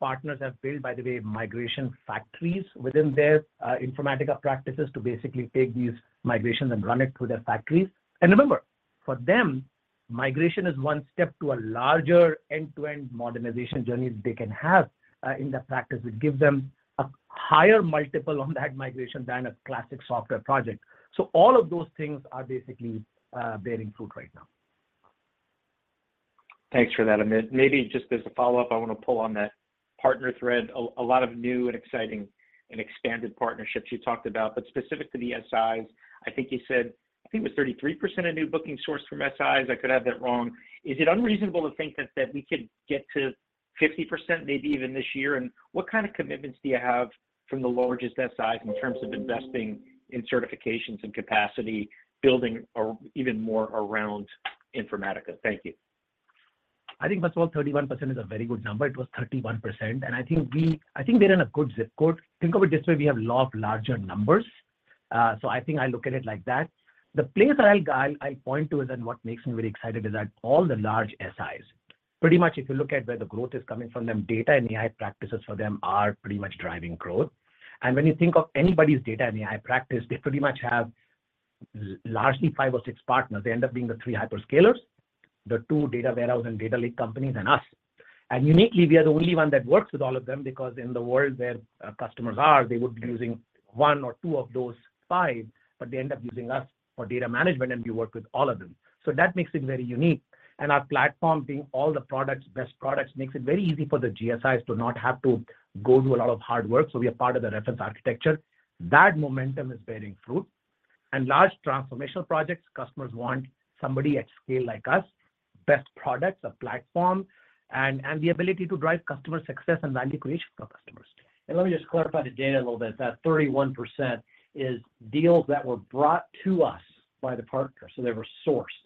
partners have built, by the way, migration factories within their Informatica practices to basically take these migrations and run it through their factories. And remember, for them, migration is one step to a larger end-to-end modernization journey they can have in their practice. It gives them a higher multiple on that migration than a classic software project. So all of those things are basically bearing fruit right now. Thanks for that, Amit. Maybe just as a follow-up, I want to pull on that partner thread. A lot of new and exciting and expanded partnerships you talked about. But specific to the SIs, I think you said I think it was 33% of new booking source from SIs. I could have that wrong. Is it unreasonable to think that we could get to 50%, maybe even this year? And what kind of commitments do you have from the largest SIs in terms of investing in certifications and capacity, building even more around Informatica? Thank you. I think, first of all, 31% is a very good number. It was 31%. And I think we're in a good zip code. Think of it this way: we have a lot of larger numbers. So I think I look at it like that. The place that I'll point to and what makes me very excited is that all the large SIs, pretty much if you look at where the growth is coming from them, data and AI practices for them are pretty much driving growth. And when you think of anybody's data and AI practice, they pretty much have largely five or six partners. They end up being the three hyperscalers, the two data warehouse and data lake companies, and us. Uniquely, we are the only one that works with all of them because in the world where customers are, they would be using one or two of those five, but they end up using us for data management, and we work with all of them. So that makes it very unique. And our platform, being all the best products, makes it very easy for the GSIs to not have to go through a lot of hard work. So we are part of the reference architecture. That momentum is bearing fruit. And large transformational projects, customers want somebody at scale like us, best products, a platform, and the ability to drive customer success and value creation for customers. Let me just clarify the data a little bit. That 31% is deals that were brought to us by the partner. So they were sourced.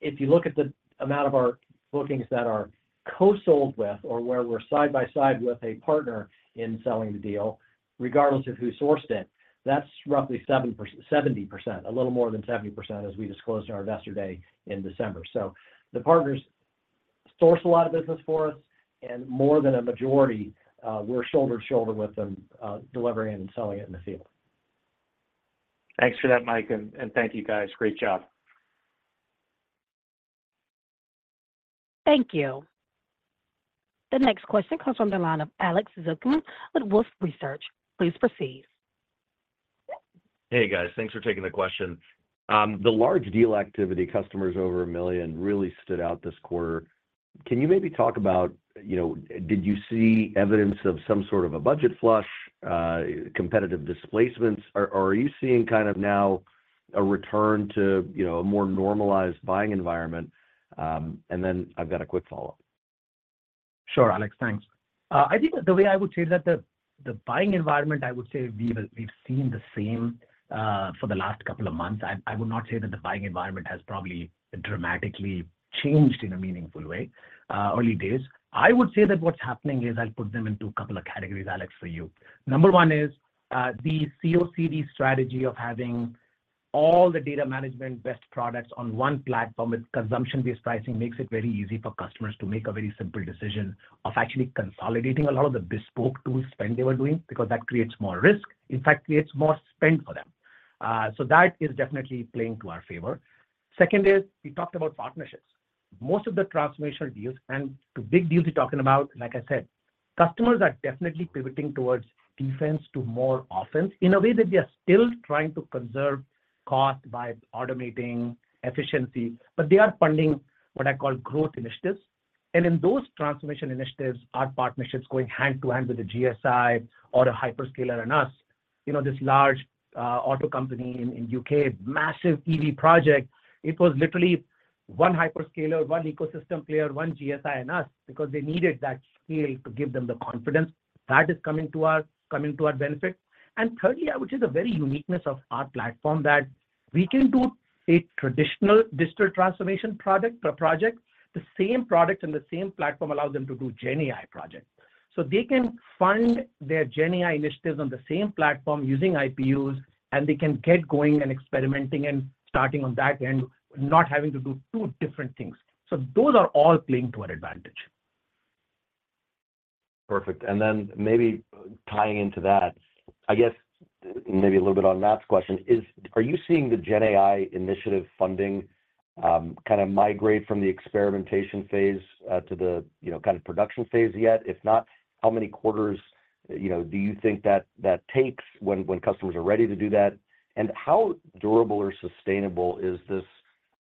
If you look at the amount of our bookings that are co-sold with or where we're side by side with a partner in selling the deal, regardless of who sourced it, that's roughly 70%, a little more than 70%, as we disclosed to our Investor Day in December. So the partners source a lot of business for us, and more than a majority, we're shoulder to shoulder with them delivering it and selling it in the field. Thanks for that, Mike. Thank you, guys. Great job. Thank you. The next question comes from the line of Alex Zukin with Wolfe Research. Please proceed. Hey, guys. Thanks for taking the question. The large deal activity, customers over 1 million, really stood out this quarter. Can you maybe talk about did you see evidence of some sort of a budget flush, competitive displacements, or are you seeing kind of now a return to a more normalized buying environment? And then I've got a quick follow-up. Sure, Alex. Thanks. I think the way I would say that the buying environment, I would say we've seen the same for the last couple of months. I would not say that the buying environment has probably dramatically changed in a meaningful way. Early days. I would say that what's happening is I'll put them into a couple of categories, Alex, for you. Number one is the COCD strategy of having all the data management best products on one platform with consumption-based pricing makes it very easy for customers to make a very simple decision of actually consolidating a lot of the bespoke tool spend they were doing because that creates more risk, in fact, creates more spend for them. So that is definitely playing to our favor. Second is we talked about partnerships. Most of the transformational deals and the big deals you're talking about, like I said, customers are definitely pivoting towards defense to more offense in a way that they are still trying to conserve cost by automating efficiency, but they are funding what I call growth initiatives. In those transformation initiatives, our partnerships going hand to hand with the GSI or a hyperscaler and us, this large auto company in the U.K., massive EV project, it was literally one hyperscaler, one ecosystem player, one GSI, and us because they needed that scale to give them the confidence. That is coming to our benefit. And thirdly, I would say the very uniqueness of our platform that we can do a traditional digital transformation project. The same product and the same platform allows them to do GenAI projects. So they can fund their GenAI initiatives on the same platform using IPUs, and they can get going and experimenting and starting on that end, not having to do two different things. So those are all playing to our advantage. Perfect. Then maybe tying into that, I guess, maybe a little bit on Matt's question, are you seeing the GenAI initiative funding kind of migrate from the experimentation phase to the kind of production phase yet? If not, how many quarters do you think that takes when customers are ready to do that? And how durable or sustainable is this,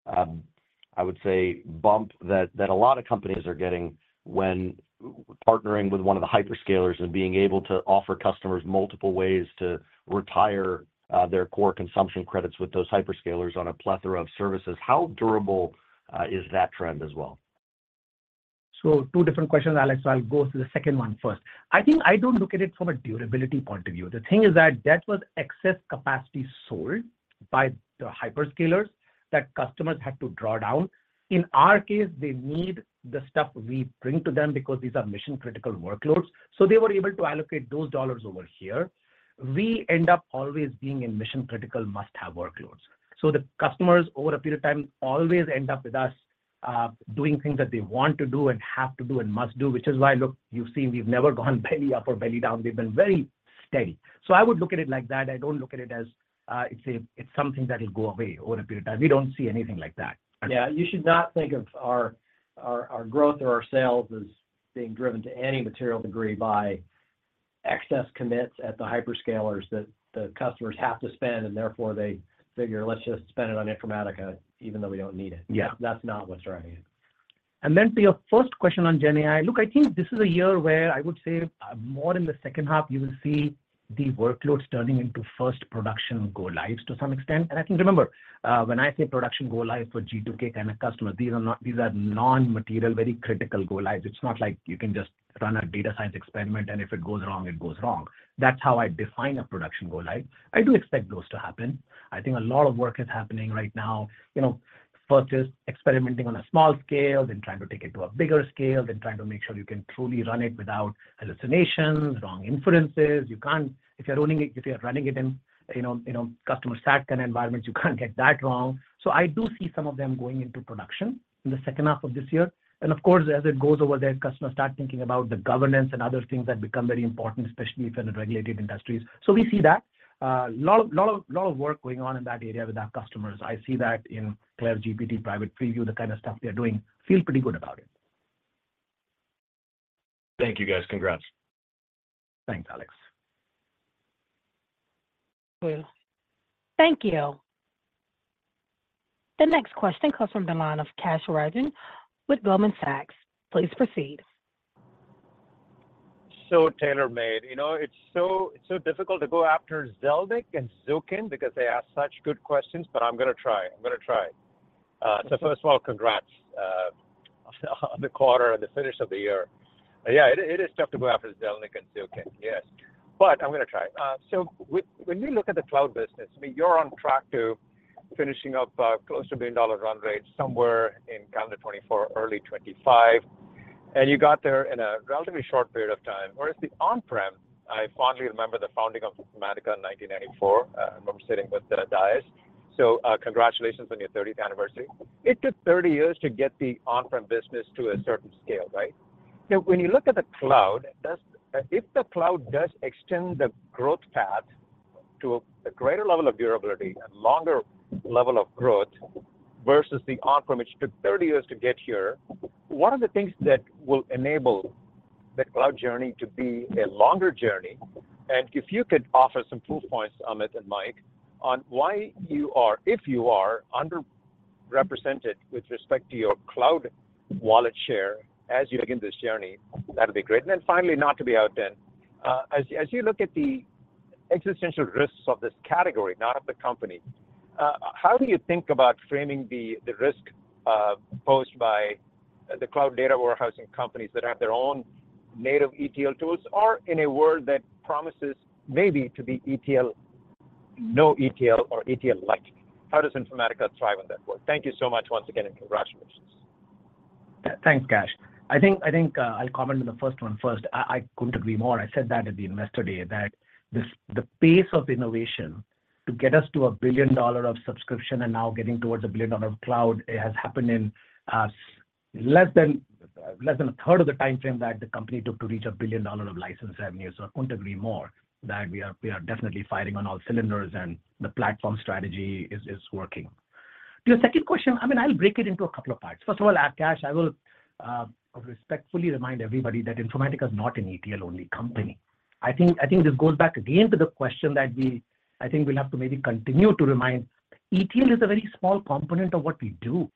I would say, bump that a lot of companies are getting when partnering with one of the hyperscalers and being able to offer customers multiple ways to retire their core consumption credits with those hyperscalers on a plethora of services? How durable is that trend as well? So two different questions, Alex. So I'll go through the second one first. I think I don't look at it from a durability point of view. The thing is that that was excess capacity sold by the hyperscalers that customers had to draw down. In our case, they need the stuff we bring to them because these are mission-critical workloads. So they were able to allocate those dollars over here. We end up always being in mission-critical must-have workloads. So the customers, over a period of time, always end up with us doing things that they want to do and have to do and must do, which is why, look, you've seen we've never gone belly up or belly down. They've been very steady. So I would look at it like that. I don't look at it as it's something that will go away over a period of time. We don't see anything like that. Yeah. You should not think of our growth or our sales as being driven to any material degree by excess commits at the hyperscalers that the customers have to spend, and therefore, they figure, "Let's just spend it on Informatica, even though we don't need it." That's not what's driving it. Yeah. Then for your first question on GenAI, look, I think this is a year where I would say more in the second half, you will see the workloads turning into first production go-lives to some extent. I think, remember, when I say production go-lives for G2K kind of customers, these are non-material, very critical go-lives. It's not like you can just run a data science experiment, and if it goes wrong, it goes wrong. That's how I define a production go-live. I do expect those to happen. I think a lot of work is happening right now, first is experimenting on a small scale, then trying to take it to a bigger scale, then trying to make sure you can truly run it without hallucinations, wrong inferences. If you're running it in customer sat kind of environments, you can't get that wrong. So I do see some of them going into production in the second half of this year. And of course, as it goes over there, customers start thinking about the governance and other things that become very important, especially if you're in regulated industries. So we see that. A lot of work going on in that area with our customers. I see that in CLAIRE GPT private preview, the kind of stuff they're doing. Feel pretty good about it. Thank you, guys. Congrats. Thanks, Alex. Thank you. The next question comes from the line of Kash Rangan with Goldman Sachs. Please proceed. So tailor-made. It's so difficult to go after Zelnick and Zukin because they ask such good questions, but I'm going to try. I'm going to try. So first of all, congrats on the quarter and the finish of the year. Yeah, it is tough to go after Zelnick and Zukin. Yes. But I'm going to try. So when you look at the cloud business, I mean, you're on track to finishing up a close to a billion-dollar run rate somewhere in calendar 2024, early 2025, and you got there in a relatively short period of time. Whereas the on-prem, I fondly remember the founding of Informatica in 1994. I remember sitting with Diaz. So congratulations on your 30th anniversary. It took 30 years to get the on-prem business to a certain scale, right? Now, when you look at the cloud, if the cloud does extend the growth path to a greater level of durability and longer level of growth versus the on-prem, which took 30 years to get here, what are the things that will enable that cloud journey to be a longer journey? And if you could offer some proof points on it and Mike on why you are, if you are, underrepresented with respect to your cloud wallet share as you begin this journey, that would be great. And then finally, not to be outdone, as you look at the existential risks of this category, not of the company, how do you think about framing the risk posed by the cloud data warehousing companies that have their own native ETL tools or in a world that promises maybe to be no ETL or ETL-like? How does Informatica thrive in that world? Thank you so much once again, and congratulations. Thanks, Kash. I think I'll comment on the first one first. I couldn't agree more. I said that at the Investor Day, that the pace of innovation to get us to $1 billion of subscription and now getting towards 1 billion of cloud has happened in less than a third of the time frame that the company took to reach $1 billion of license revenue. So I couldn't agree more that we are definitely firing on all cylinders, and the platform strategy is working. To your second question, I mean, I'll break it into a couple of parts. First of all, Kash, I will respectfully remind everybody that Informatica is not an ETL-only company. I think this goes back again to the question that I think we'll have to maybe continue to remind. ETL is a very small component of what we do.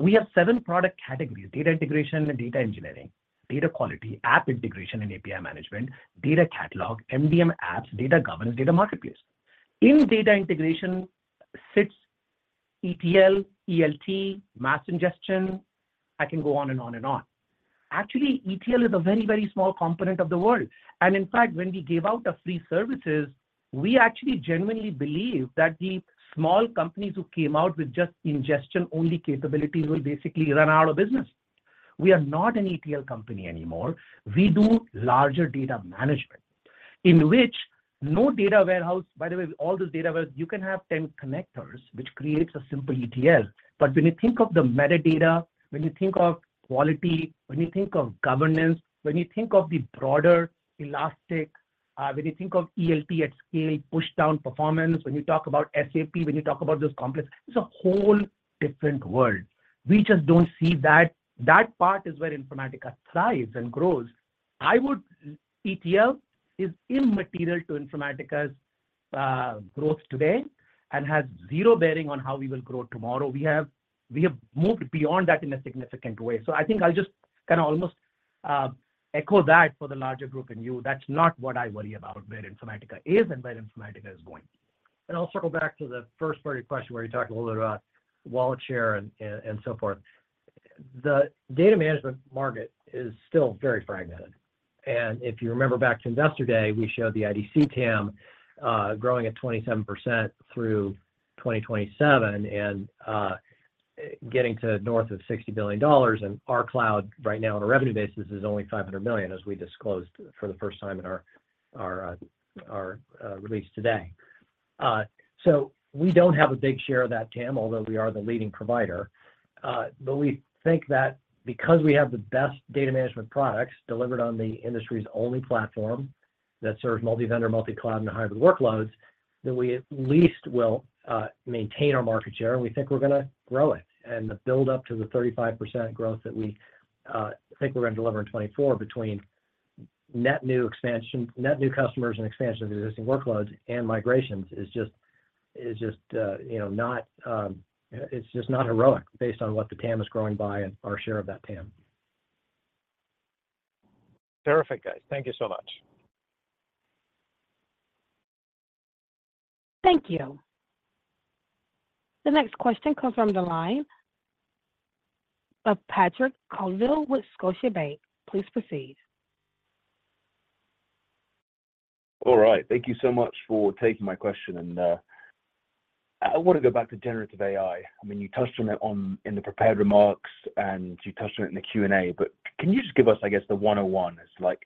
We have seven product categories: Data Integration, data engineering, data quality, app integration and API management, data catalog, MDM apps, data governance, data marketplace. In Data Integration sits ETL, ELT, mass ingestion. I can go on and on and on. Actually, ETL is a very, very small component of the world. And in fact, when we gave out our free services, we actually genuinely believed that the small companies who came out with just ingestion-only capabilities will basically run out of business. We are not an ETL company anymore. We do larger data management in which no data warehouse by the way, all this data warehouse, you can have 10 connectors, which creates a simple ETL. But when you think of the metadata, when you think of quality, when you think of governance, when you think of the broader elastic, when you think of ELT at scale, push-down performance, when you talk about SAP, when you talk about those complex, it's a whole different world. We just don't see that. That part is where Informatica thrives and grows. ETL is immaterial to Informatica's growth today and has zero bearing on how we will grow tomorrow. We have moved beyond that in a significant way. So I think I'll just kind of almost echo that for the larger group and you. That's not what I worry about where Informatica is and where Informatica is going. I'll circle back to the first part of your question where you talked a little bit about wallet share and so forth. The data management market is still very fragmented. If you remember back to Investor Day, we showed the IDC TAM growing at 27% through 2027 and getting to north of $60 billion. Our cloud right now on a revenue basis is only $500 million, as we disclosed for the first time in our release today. So we don't have a big share of that TAM, although we are the leading provider. But we think that because we have the best data management products delivered on the industry's only platform that serves multi-vendor, multi-cloud, and hybrid workloads, that we at least will maintain our market share. We think we're going to grow it. The buildup to the 35% growth that we think we're going to deliver in 2024 between net new customers and expansion of existing workloads and migrations is just not it's just not heroic based on what the TAM is growing by and our share of that TAM. Terrific, guys. Thank you so much. Thank you. The next question comes from the line of Patrick Colville with Scotiabank. Please proceed. All right. Thank you so much for taking my question. I want to go back to generative AI. I mean, you touched on it in the prepared remarks, and you touched on it in the Q&A. But can you just give us, I guess, the 101? It's like,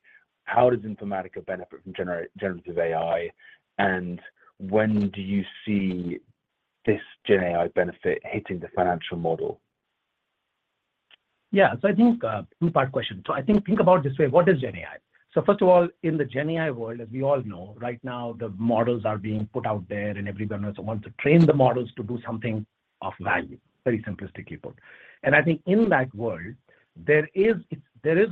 how does Informatica benefit from generative AI? And when do you see this GenAI benefit hitting the financial model? Yeah. So I think it's a two-part question. So I think about it this way. What is GenAI? So first of all, in the GenAI world, as we all know, right now, the models are being put out there, and everybody wants to train the models to do something of value, very simplistically put. And I think in that world, there is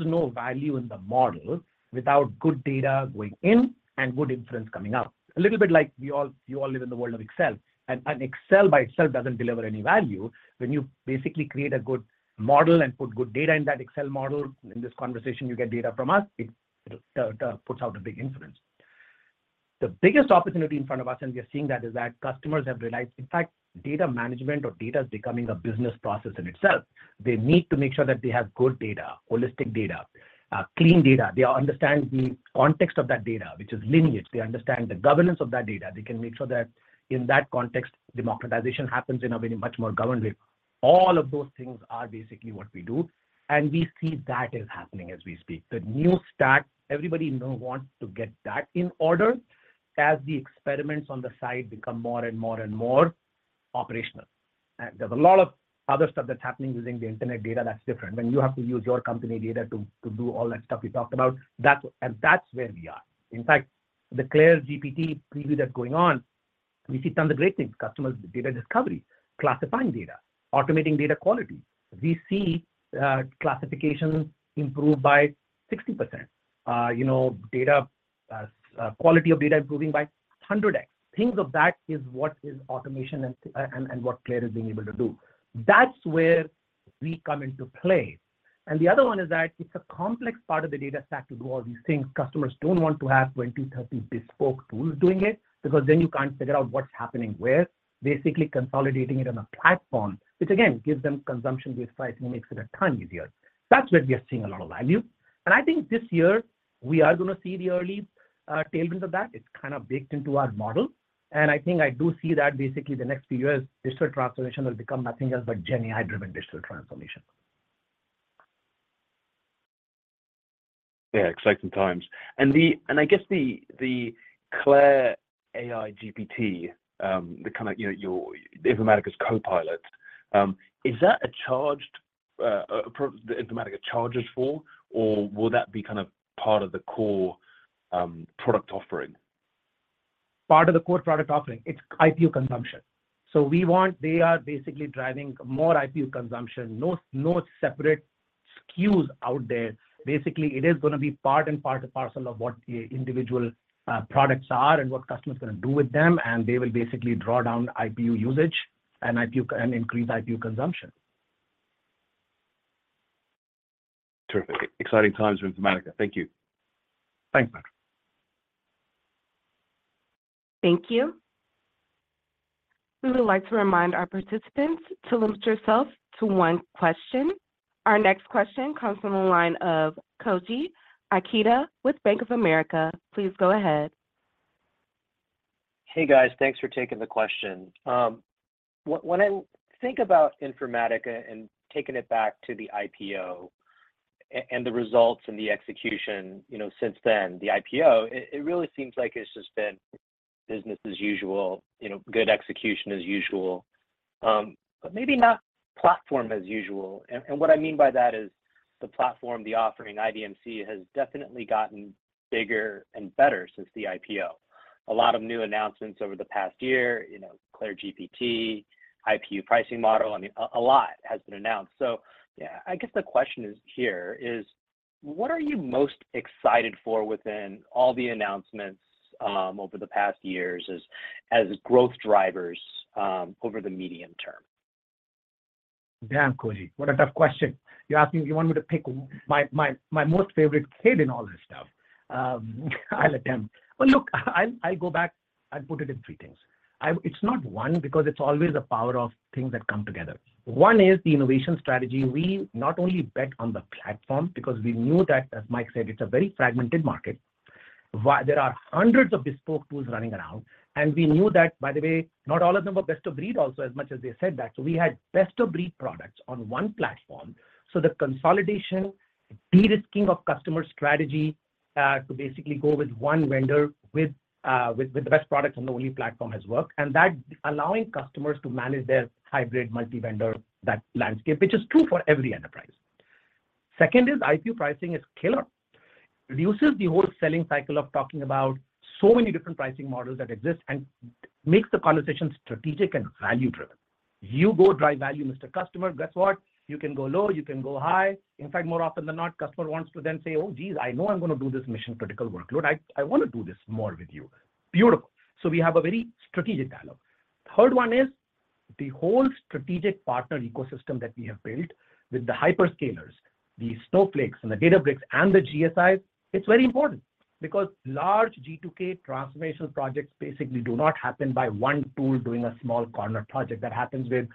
no value in the model without good data going in and good inference coming out. A little bit like you all live in the world of Excel. And Excel by itself doesn't deliver any value. When you basically create a good model and put good data in that Excel model, in this conversation, you get data from us. It puts out a big inference. The biggest opportunity in front of us, and we are seeing that, is that customers have realized, in fact, data management or data is becoming a business process in itself. They need to make sure that they have good data, holistic data, clean data. They understand the context of that data, which is linear. They understand the governance of that data. They can make sure that in that context, democratization happens in a much more governed way. All of those things are basically what we do. And we see that is happening as we speak. The new stack, everybody wants to get that in order as the experiments on the side become more and more and more operational. There's a lot of other stuff that's happening using the internet data that's different. When you have to use your company data to do all that stuff you talked about, and that's where we are. In fact, the CLAIRE GPT preview that's going on, we see tons of great things: customers, data discovery, classifying data, automating data quality. We see classification improve by 60%, quality of data improving by 100x. Things of that is what is automation and what CLAIRE is being able to do. That's where we come into play. And the other one is that it's a complex part of the data stack to do all these things. Customers don't want to have 20, 30 bespoke tools doing it because then you can't figure out what's happening where, basically consolidating it on a platform, which, again, gives them consumption-based pricing and makes it a ton easier. That's where we are seeing a lot of value. I think this year, we are going to see the early tailwinds of that. It's kind of baked into our model. I think I do see that basically the next few years, digital transformation will become nothing else but GenAI-driven digital transformation. Yeah. Exciting times. I guess the CLAIRE GPT, the kind of Informatica's Copilot, is that a charge that Informatica charges for, or will that be kind of part of the core product offering? Part of the core product offering. It's IPU consumption. They are basically driving more IPU consumption. No separate SKUs out there. Basically, it is going to be part and parcel of what individual products are and what customers are going to do with them. They will basically draw down IPU usage and increase IPU consumption. Terrific. Exciting times for Informatica. Thank you. Thanks, Patrick. Thank you. We would like to remind our participants to limit yourself to one question. Our next question comes from the line of Koji Ikeda with Bank of America. Please go ahead. Hey, guys. Thanks for taking the question. When I think about Informatica and taking it back to the IPO and the results and the execution since then, the IPO, it really seems like it's just been business as usual, good execution as usual, but maybe not platform as usual. What I mean by that is the platform, the offering, IDMC has definitely gotten bigger and better since the IPO. A lot of new announcements over the past year: CLAIRE GPT, IPU pricing model. I mean, a lot has been announced. So yeah, I guess the question here is, what are you most excited for within all the announcements over the past years as growth drivers over the medium term? Damn, Koji, what a tough question. You want me to pick my most favorite kid in all this stuff? I'll attempt. Well, look, I'll go back and put it in three things. It's not one because it's always a power of things that come together. One is the innovation strategy. We not only bet on the platform because we knew that, as Mike said, it's a very fragmented market. There are hundreds of bespoke tools running around. And we knew that, by the way, not all of them were best of breed also, as much as they said that. So we had best of breed products on one platform. So the consolidation, de-risking of customer strategy to basically go with one vendor with the best products on the only platform has worked, and that allowing customers to manage their hybrid multi-vendor landscape, which is true for every enterprise. Second is IPU pricing is killer. It reduces the whole selling cycle of talking about so many different pricing models that exist and makes the conversation strategic and value-driven. You go drive value, Mr. Customer. Guess what? You can go low. You can go high. In fact, more often than not, customer wants to then say, "Oh, geez, I know I'm going to do this mission-critical workload. I want to do this more with you." Beautiful. So we have a very strategic dialogue. Third one is the whole strategic partner ecosystem that we have built with the hyperscalers, the Snowflake, and the Databricks and the GSIs. It's very important because large G2K transformational projects basically do not happen by one tool doing a small corner project. That happens with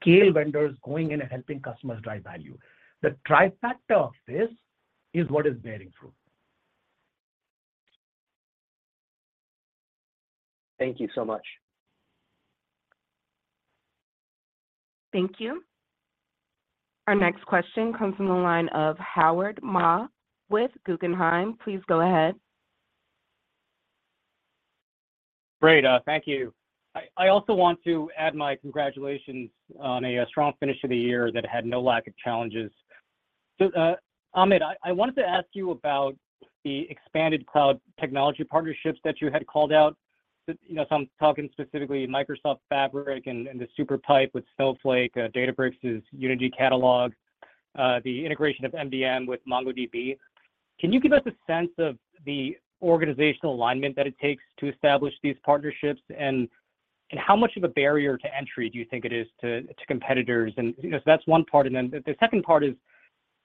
scale vendors going in and helping customers drive value. The trifecta of this is what is bearing fruit. Thank you so much. Thank you. Our next question comes from the line of Howard Ma with Guggenheim. Please go ahead. Great. Thank you. I also want to add my congratulations on a strong finish of the year that had no lack of challenges. So Amit, I wanted to ask you about the expanded cloud technology partnerships that you had called out. So I'm talking specifically Microsoft Fabric and the SuperPipe with Snowflake, Databricks' Unity Catalog, the integration of MDM with MongoDB. Can you give us a sense of the organizational alignment that it takes to establish these partnerships? And how much of a barrier to entry do you think it is to competitors? And so that's one part. And then the second part is,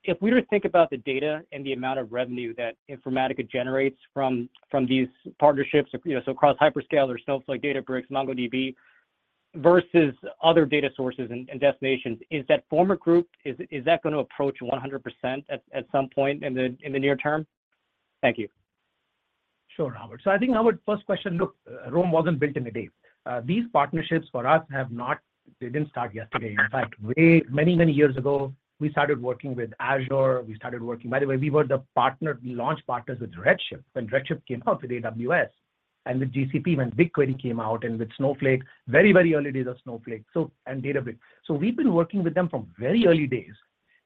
if we were to think about the data and the amount of revenue that Informatica generates from these partnerships, so across Hyperscaler, Snowflake, Databricks, MongoDB, versus other data sources and destinations, is that former group going to approach 100% at some point in the near term? Thank you. Sure, Howard. So I think, Howard, first question, look, Rome wasn't built in a day. These partnerships, for us, they didn't start yesterday. In fact, many, many years ago, we started working with Azure. We started working, by the way, we were the launch partners with Redshift when Redshift came out with AWS and with GCP when BigQuery came out and with Snowflake, very, very early days of Snowflake and Databricks. So we've been working with them from very early days.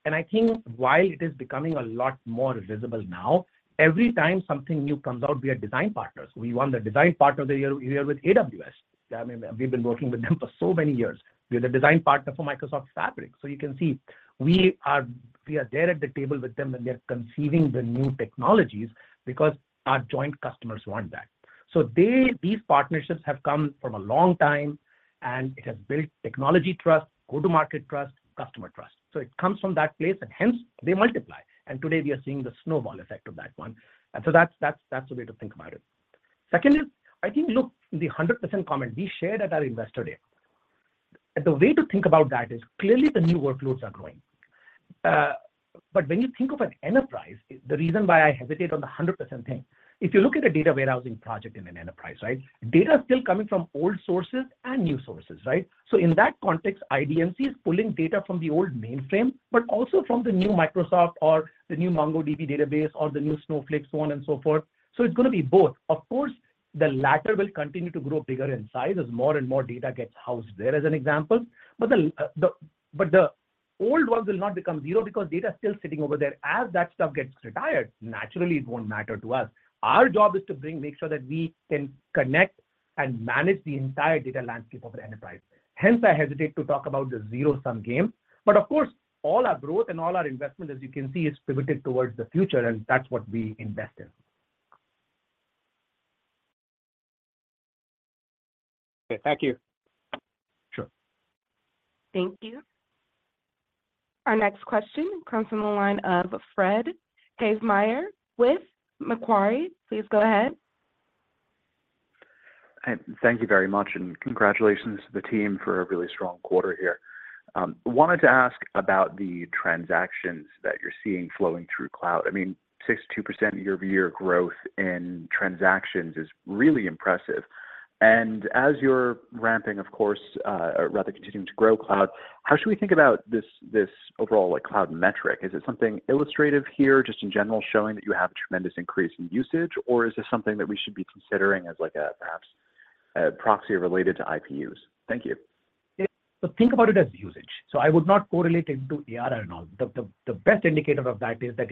And I think while it is becoming a lot more visible now, every time something new comes out, we are design partners. We won the design partner year with AWS. I mean, we've been working with them for so many years. We are the design partner for Microsoft Fabric. So you can see we are there at the table with them when they're conceiving the new technologies because our joint customers want that. So these partnerships have come from a long time, and it has built technology trust, go-to-market trust, customer trust. So it comes from that place, and hence, they multiply. And today, we are seeing the snowball effect of that one. And so that's a way to think about it. Second is, I think, look, the 100% comment we shared at our Investor Day, the way to think about that is clearly the new workloads are growing. But when you think of an enterprise, the reason why I hesitate on the 100% thing, if you look at a data warehousing project in an enterprise, right, data is still coming from old sources and new sources, right? So in that context, IDMC is pulling data from the old mainframe, but also from the new Microsoft or the new MongoDB database or the new Snowflake, so on and so forth. So it's going to be both. Of course, the latter will continue to grow bigger in size as more and more data gets housed there, as an example. But the old one will not become zero because data is still sitting over there. As that stuff gets retired, naturally, it won't matter to us. Our job is to make sure that we can connect and manage the entire data landscape of an enterprise. Hence, I hesitate to talk about the zero-sum game. But of course, all our growth and all our investment, as you can see, is pivoted towards the future. And that's what we invest in. Okay. Thank you. Sure. Thank you. Our next question comes from the line of Fred Havemeyer with Macquarie. Please go ahead. Thank you very much. Congratulations to the team for a really strong quarter here. Wanted to ask about the transactions that you're seeing flowing through cloud. I mean, 62% year-over-year growth in transactions is really impressive. As you're ramping, of course, or rather continuing to grow cloud, how should we think about this overall cloud metric? Is it something illustrative here, just in general, showing that you have a tremendous increase in usage, or is it something that we should be considering as perhaps a proxy related to IPUs? Thank you. Yeah. So think about it as usage. So I would not correlate it to ARR and all. The best indicator of that is that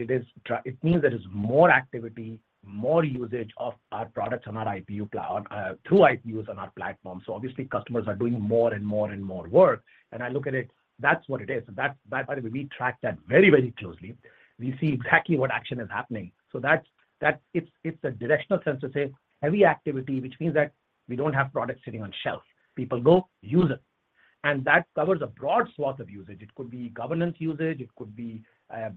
it means there is more activity, more usage of our products through IPUs on our platform. So obviously, customers are doing more and more and more work. And I look at it, that's what it is. And by the way, we track that very, very closely. We see exactly what action is happening. So it's a directional sense to say heavy activity, which means that we don't have products sitting on shelf. People go, use it. And that covers a broad swath of usage. It could be governance usage. It could be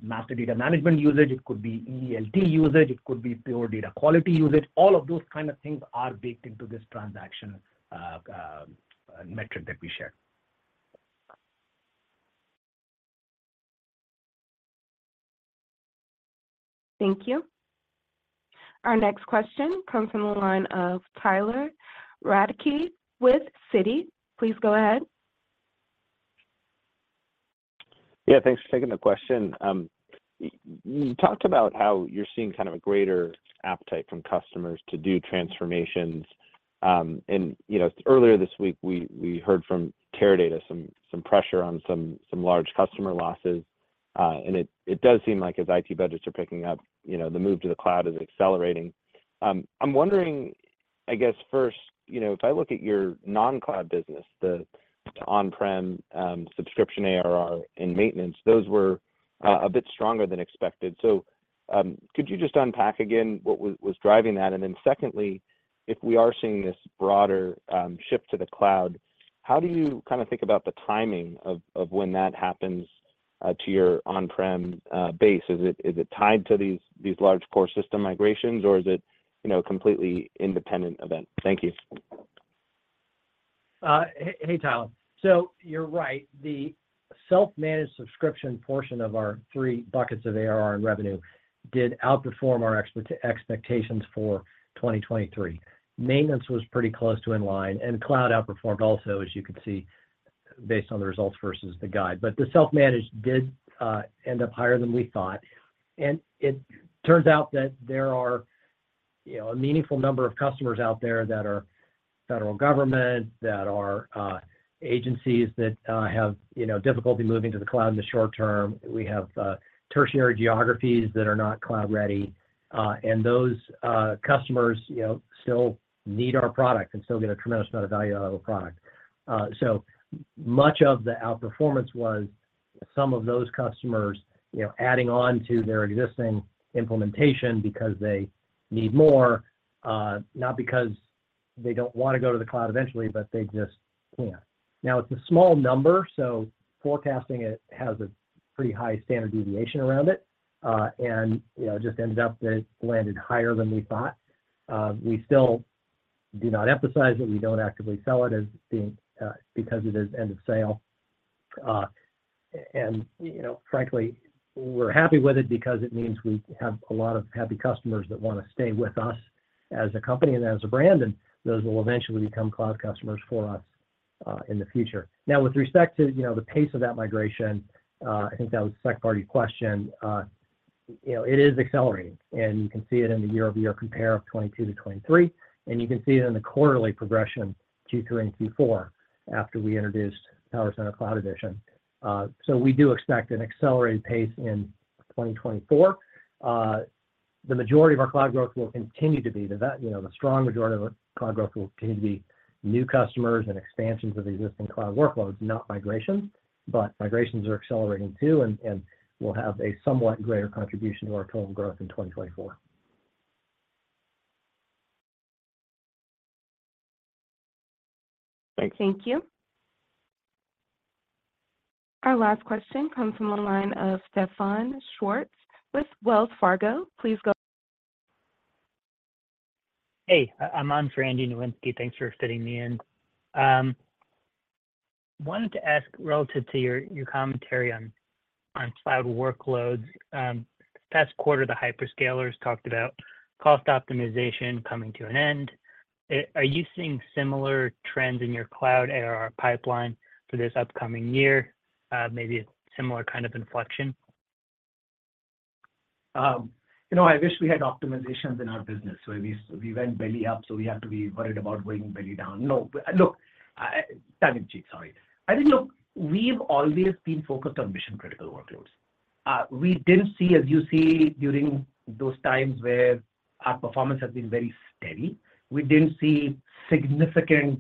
Master Data Management usage. It could be ELT usage. It could be pure data quality usage. All of those kind of things are baked into this transaction metric that we share. Thank you. Our next question comes from the line of Tyler Radke with Citi. Please go ahead. Yeah. Thanks for taking the question. You talked about how you're seeing kind of a greater appetite from customers to do transformations. Earlier this week, we heard from Teradata some pressure on some large customer losses. It does seem like, as IT budgets are picking up, the move to the cloud is accelerating. I'm wondering, I guess, first, if I look at your non-cloud business, the on-prem subscription ARR and maintenance, those were a bit stronger than expected. Could you just unpack again what was driving that? Then secondly, if we are seeing this broader shift to the cloud, how do you kind of think about the timing of when that happens to your on-prem base? Is it tied to these large core system migrations, or is it a completely independent event? Thank you. Hey, Tyler. So you're right. The self-managed subscription portion of our 3 buckets of ARR and revenue did outperform our expectations for 2023. Maintenance was pretty close to in line. And cloud outperformed also, as you can see, based on the results versus the guide. But the self-managed did end up higher than we thought. And it turns out that there are a meaningful number of customers out there that are federal government, that are agencies that have difficulty moving to the cloud in the short term. We have tertiary geographies that are not cloud-ready. And those customers still need our product and still get a tremendous amount of value out of our product. So much of the outperformance was some of those customers adding on to their existing implementation because they need more, not because they don't want to go to the cloud eventually, but they just can't. Now, it's a small number, so forecasting it has a pretty high standard deviation around it. And it just ended up that it landed higher than we thought. We still do not emphasize it. We don't actively sell it because it is end of sale. And frankly, we're happy with it because it means we have a lot of happy customers that want to stay with us as a company and as a brand. And those will eventually become cloud customers for us in the future. Now, with respect to the pace of that migration, I think that was the second-party question, it is accelerating. And you can see it in the year-over-year compare of 2022 to 2023. And you can see it in the quarterly progression, Q3 and Q4, after we introduced PowerCenter Cloud Edition. So we do expect an accelerated pace in 2024. The majority of our cloud growth will continue to be. The strong majority of our cloud growth will continue to be new customers and expansions of existing cloud workloads, not migrations. But migrations are accelerating too, and we'll have a somewhat greater contribution to our total growth in 2024. Great. Thank you. Our last question comes from the line of Steven Schwartz with Wells Fargo. Please go. Hey. I'm Andy Nowinski. Thanks for fitting me in. Wanted to ask, relative to your commentary on cloud workloads, this past quarter, the hyperscalers talked about cost optimization coming to an end. Are you seeing similar trends in your cloud ARR pipeline for this upcoming year? Maybe a similar kind of inflection? I wish we had optimizations in our business where we went belly up, so we have to be worried about going belly down. No. Look, tongue-in-cheek, sorry. I think, look, we've always been focused on mission-critical workloads. We didn't see, as you see during those times where our performance has been very steady, we didn't see significant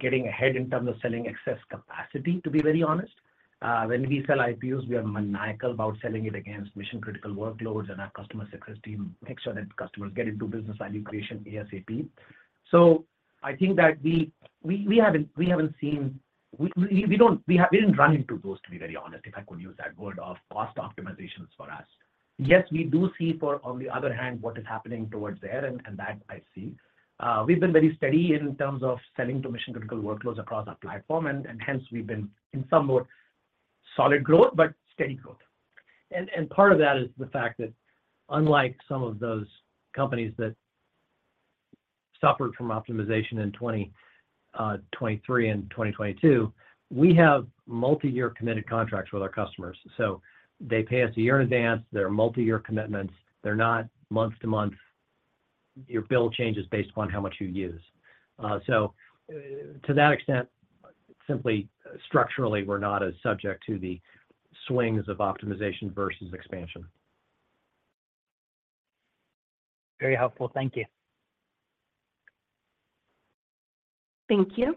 getting ahead in terms of selling excess capacity, to be very honest. When we sell IPUs, we are maniacal about selling it against mission-critical workloads. And our customer success team makes sure that customers get into business value creation ASAP. So I think that we haven't seen we didn't run into those, to be very honest, if I could use that word, of cost optimizations for us. Yes, we do see, on the other hand, what is happening towards there, and that I see. We've been very steady in terms of selling to mission-critical workloads across our platform. Hence, we've been in somewhat solid growth, but steady growth. Part of that is the fact that, unlike some of those companies that suffered from optimization in 2023 and 2022, we have multi-year committed contracts with our customers. They pay us a year in advance. They're multi-year commitments. They're not month-to-month. Your bill changes based upon how much you use. To that extent, simply structurally, we're not as subject to the swings of optimization versus expansion. Very helpful. Thank you. Thank you.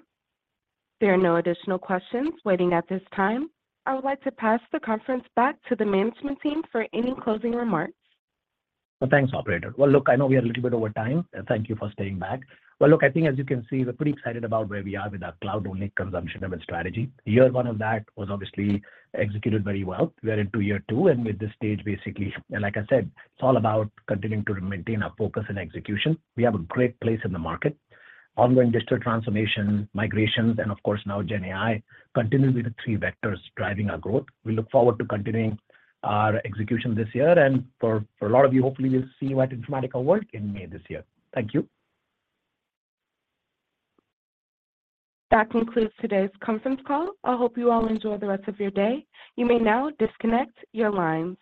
There are no additional questions waiting at this time. I would like to pass the conference back to the management team for any closing remarks. Well, thanks, Operator. Well, look, I know we are a little bit over time. Thank you for staying back. Well, look, I think, as you can see, we're pretty excited about where we are with our cloud-only, consumption-driven strategy. Year one of that was obviously executed very well. We are in year two. And with this stage, basically, like I said, it's all about continuing to maintain our focus and execution. We have a great place in the market. Ongoing digital transformation, migrations, and of course, now GenAI continue to be the three vectors driving our growth. We look forward to continuing our execution this year. And for a lot of you, hopefully, we'll see you at Informatica World in May this year. Thank you. That concludes today's conference call. I hope you all enjoy the rest of your day. You may now disconnect your lines.